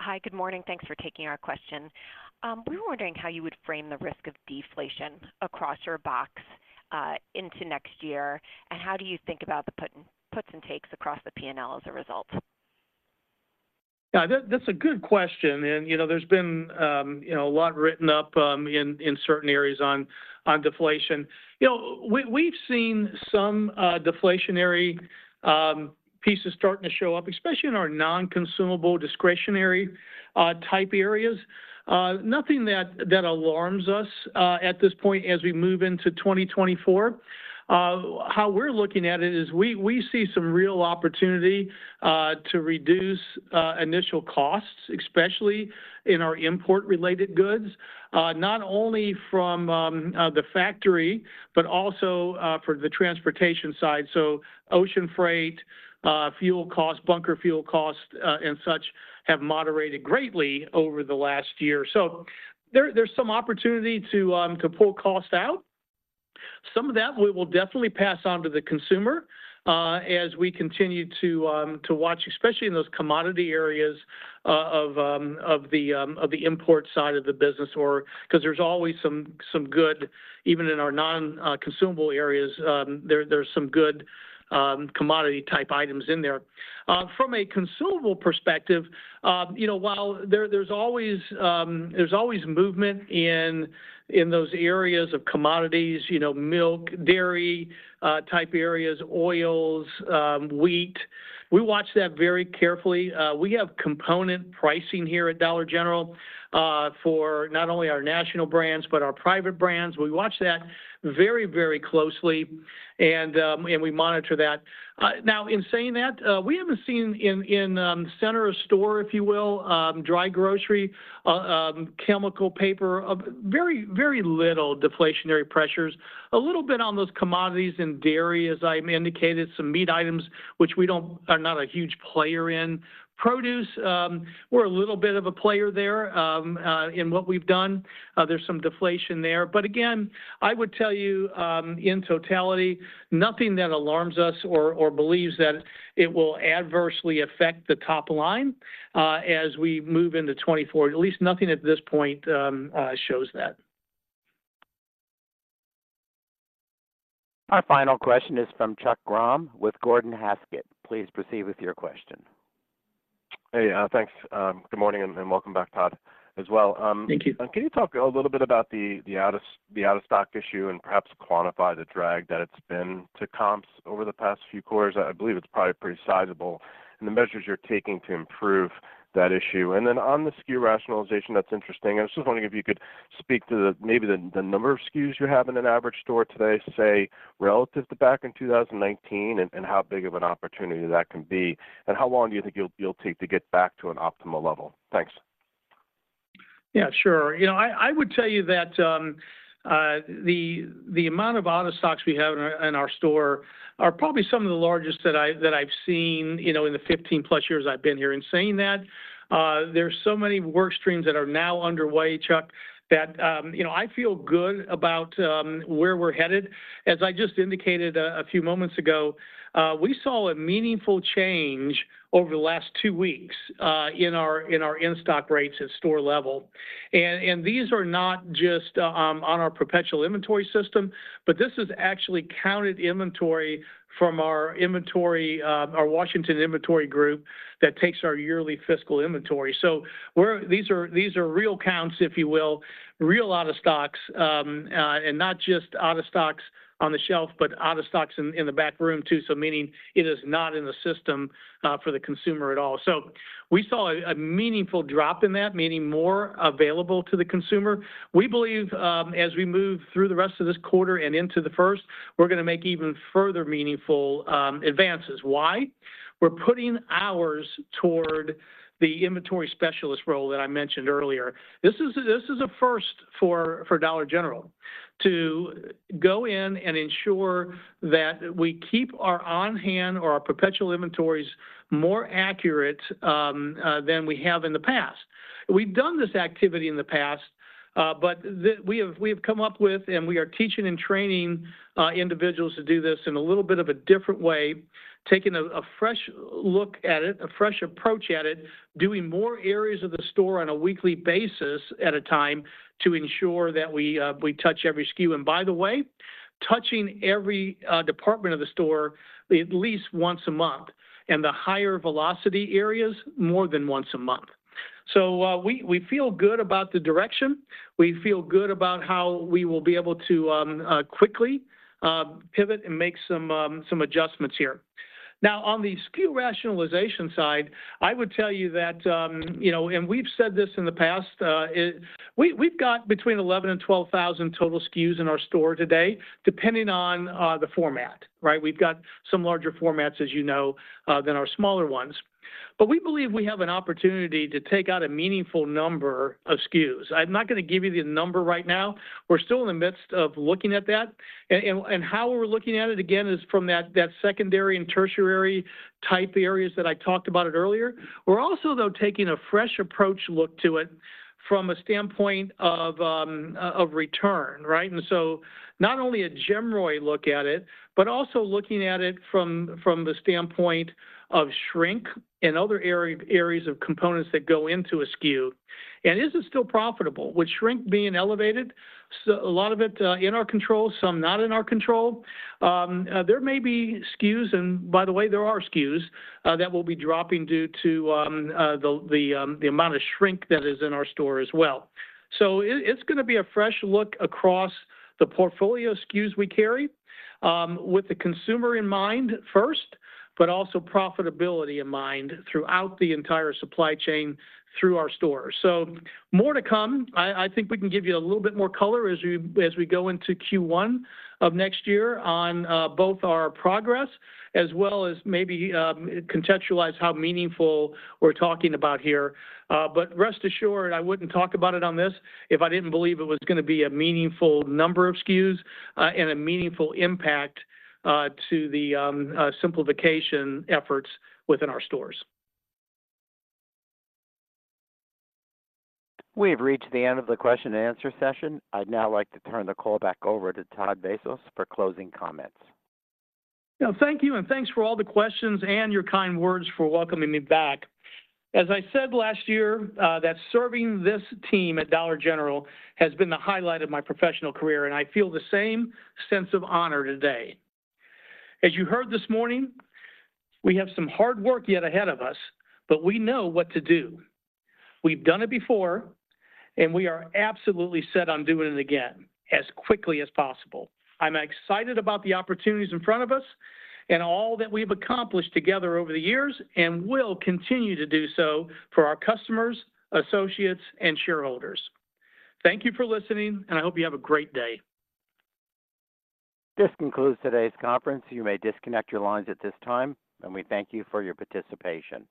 S1: your question.
S10: Hi, good morning. Thanks for taking our question. We were wondering how you would frame the risk of deflation across your box into next year, and how do you think about the puts and takes across the P&L as a result?
S3: Yeah, that's a good question, and, you know, there's been, you know, a lot written up, in certain areas on deflation. You know, we've seen some deflationary pieces starting to show up, especially in our non-consumable, discretionary type areas. Nothing that alarms us, at this point as we move into 2024. How we're looking at it is we see some real opportunity to reduce initial costs, especially in our import-related goods, not only from the factory, but also for the transportation side. So ocean freight, fuel costs, bunker fuel costs, and such, have moderated greatly over the last year. So there's some opportunity to pull costs out. Some of that we will definitely pass on to the consumer, as we continue to watch, especially in those commodity areas of the import side of the business or... because there's always some, some good, even in our non-consumable areas, there, there's some good, commodity-type items in there. From a consumable perspective, you know, while there, there's always, there's always movement in those areas of commodities, you know, milk, dairy type areas, oils, wheat, we watch that very carefully. We have component pricing here at Dollar General, for not only our national brands, but our private brands. We watch that very, very closely, and, and we monitor that. Now, in saying that, we haven't seen in center of store, if you will, dry grocery, chemical, paper, a very, very little deflationary pressures. A little bit on those commodities in dairy, as I indicated, some meat items which we are not a huge player in. Produce, we're a little bit of a player there, in what we've done. There's some deflation there. But again, I would tell you, in totality, nothing that alarms us or believes that it will adversely affect the top line, as we move into 2024. At least nothing at this point, shows that.
S1: Our final question is from Chuck Grom with Gordon Haskett. Please proceed with your question.
S11: Hey, thanks, good morning, and welcome back, Todd, as well.
S3: Thank you.
S11: Can you talk a little bit about the out-of-stock issue and perhaps quantify the drag that it's been to comps over the past few quarters? I believe it's probably pretty sizable, and the measures you're taking to improve that issue. And then on the SKU rationalization, that's interesting. I was just wondering if you could speak to the number of SKUs you have in an average store today, say, relative to back in 2019, and how big of an opportunity that can be, and how long do you think you'll take to get back to an optimal level? Thanks.
S3: Yeah, sure. You know, I would tell you that the amount of out-of-stocks we have in our store are probably some of the largest that I've seen, you know, in the 15+ years I've been here. In saying that, there's so many work streams that are now underway, Chuck, that you know, I feel good about where we're headed. As I just indicated a few moments ago, we saw a meaningful change over the last two weeks in our in-stock rates at store level. And these are not just on our perpetual inventory system, but this is actually counted inventory from our inventory, our Washington Inventory Service that takes our yearly fiscal inventory. So we're, these are, these are real counts, if you will, real out of stocks, and not just out of stocks on the shelf, but out of stocks in the backroom, too. So meaning it is not in the system for the consumer at all. So we saw a meaningful drop in that, meaning more available to the consumer. We believe, as we move through the rest of this quarter and into the first, we're gonna make even further meaningful advances. Why? We're putting hours toward the inventory specialist role that I mentioned earlier. This is a first for Dollar General, to go in and ensure that we keep our on-hand or our perpetual inventories more accurate than we have in the past. We've done this activity in the past, but we have, we have come up with, and we are teaching and training individuals to do this in a little bit of a different way, taking a fresh look at it, a fresh approach at it, doing more areas of the store on a weekly basis at a time to ensure that we touch every SKU. And by the way, touching every department of the store at least once a month, and the higher velocity areas, more than once a month. So we feel good about the direction. We feel good about how we will be able to quickly pivot and make some adjustments here. Now, on the SKU rationalization side, I would tell you that, you know, and we've said this in the past, we, we've got between 11,000 and 12,000 total SKUs in our store today, depending on the format, right? We've got some larger formats, as you know, than our smaller ones. But we believe we have an opportunity to take out a meaningful number of SKUs. I'm not gonna give you the number right now. We're still in the midst of looking at that. And how we're looking at it, again, is from that secondary and tertiary type areas that I talked about earlier. We're also, though, taking a fresh approach look to it from a standpoint of return, right? And so not only a general look at it, but also looking at it from the standpoint of shrink and other areas of components that go into a SKU. And is it still profitable, with shrink being elevated? So a lot of it in our control, some not in our control. There may be SKUs, and by the way, there are SKUs that we'll be dropping due to the amount of shrink that is in our store as well. So it's gonna be a fresh look across the portfolio SKUs we carry, with the consumer in mind first, but also profitability in mind throughout the entire supply chain through our stores. So more to come. I think we can give you a little bit more color as we go into Q1 of next year on both our progress, as well as maybe contextualize how meaningful we're talking about here. But rest assured, I wouldn't talk about it on this if I didn't believe it was gonna be a meaningful number of SKUs, and a meaningful impact to the simplification efforts within our stores.
S1: We have reached the end of the question and answer session. I'd now like to turn the call back over to Todd Vasos for closing comments.
S3: Now, thank you, and thanks for all the questions and your kind words for welcoming me back. As I said last year, that serving this team at Dollar General has been the highlight of my professional career, and I feel the same sense of honor today. As you heard this morning, we have some hard work yet ahead of us, but we know what to do. We've done it before, and we are absolutely set on doing it again, as quickly as possible. I'm excited about the opportunities in front of us and all that we've accomplished together over the years, and will continue to do so for our customers, associates, and shareholders. Thank you for listening, and I hope you have a great day.
S1: This concludes today's conference. You may disconnect your lines at this time, and we thank you for your participation.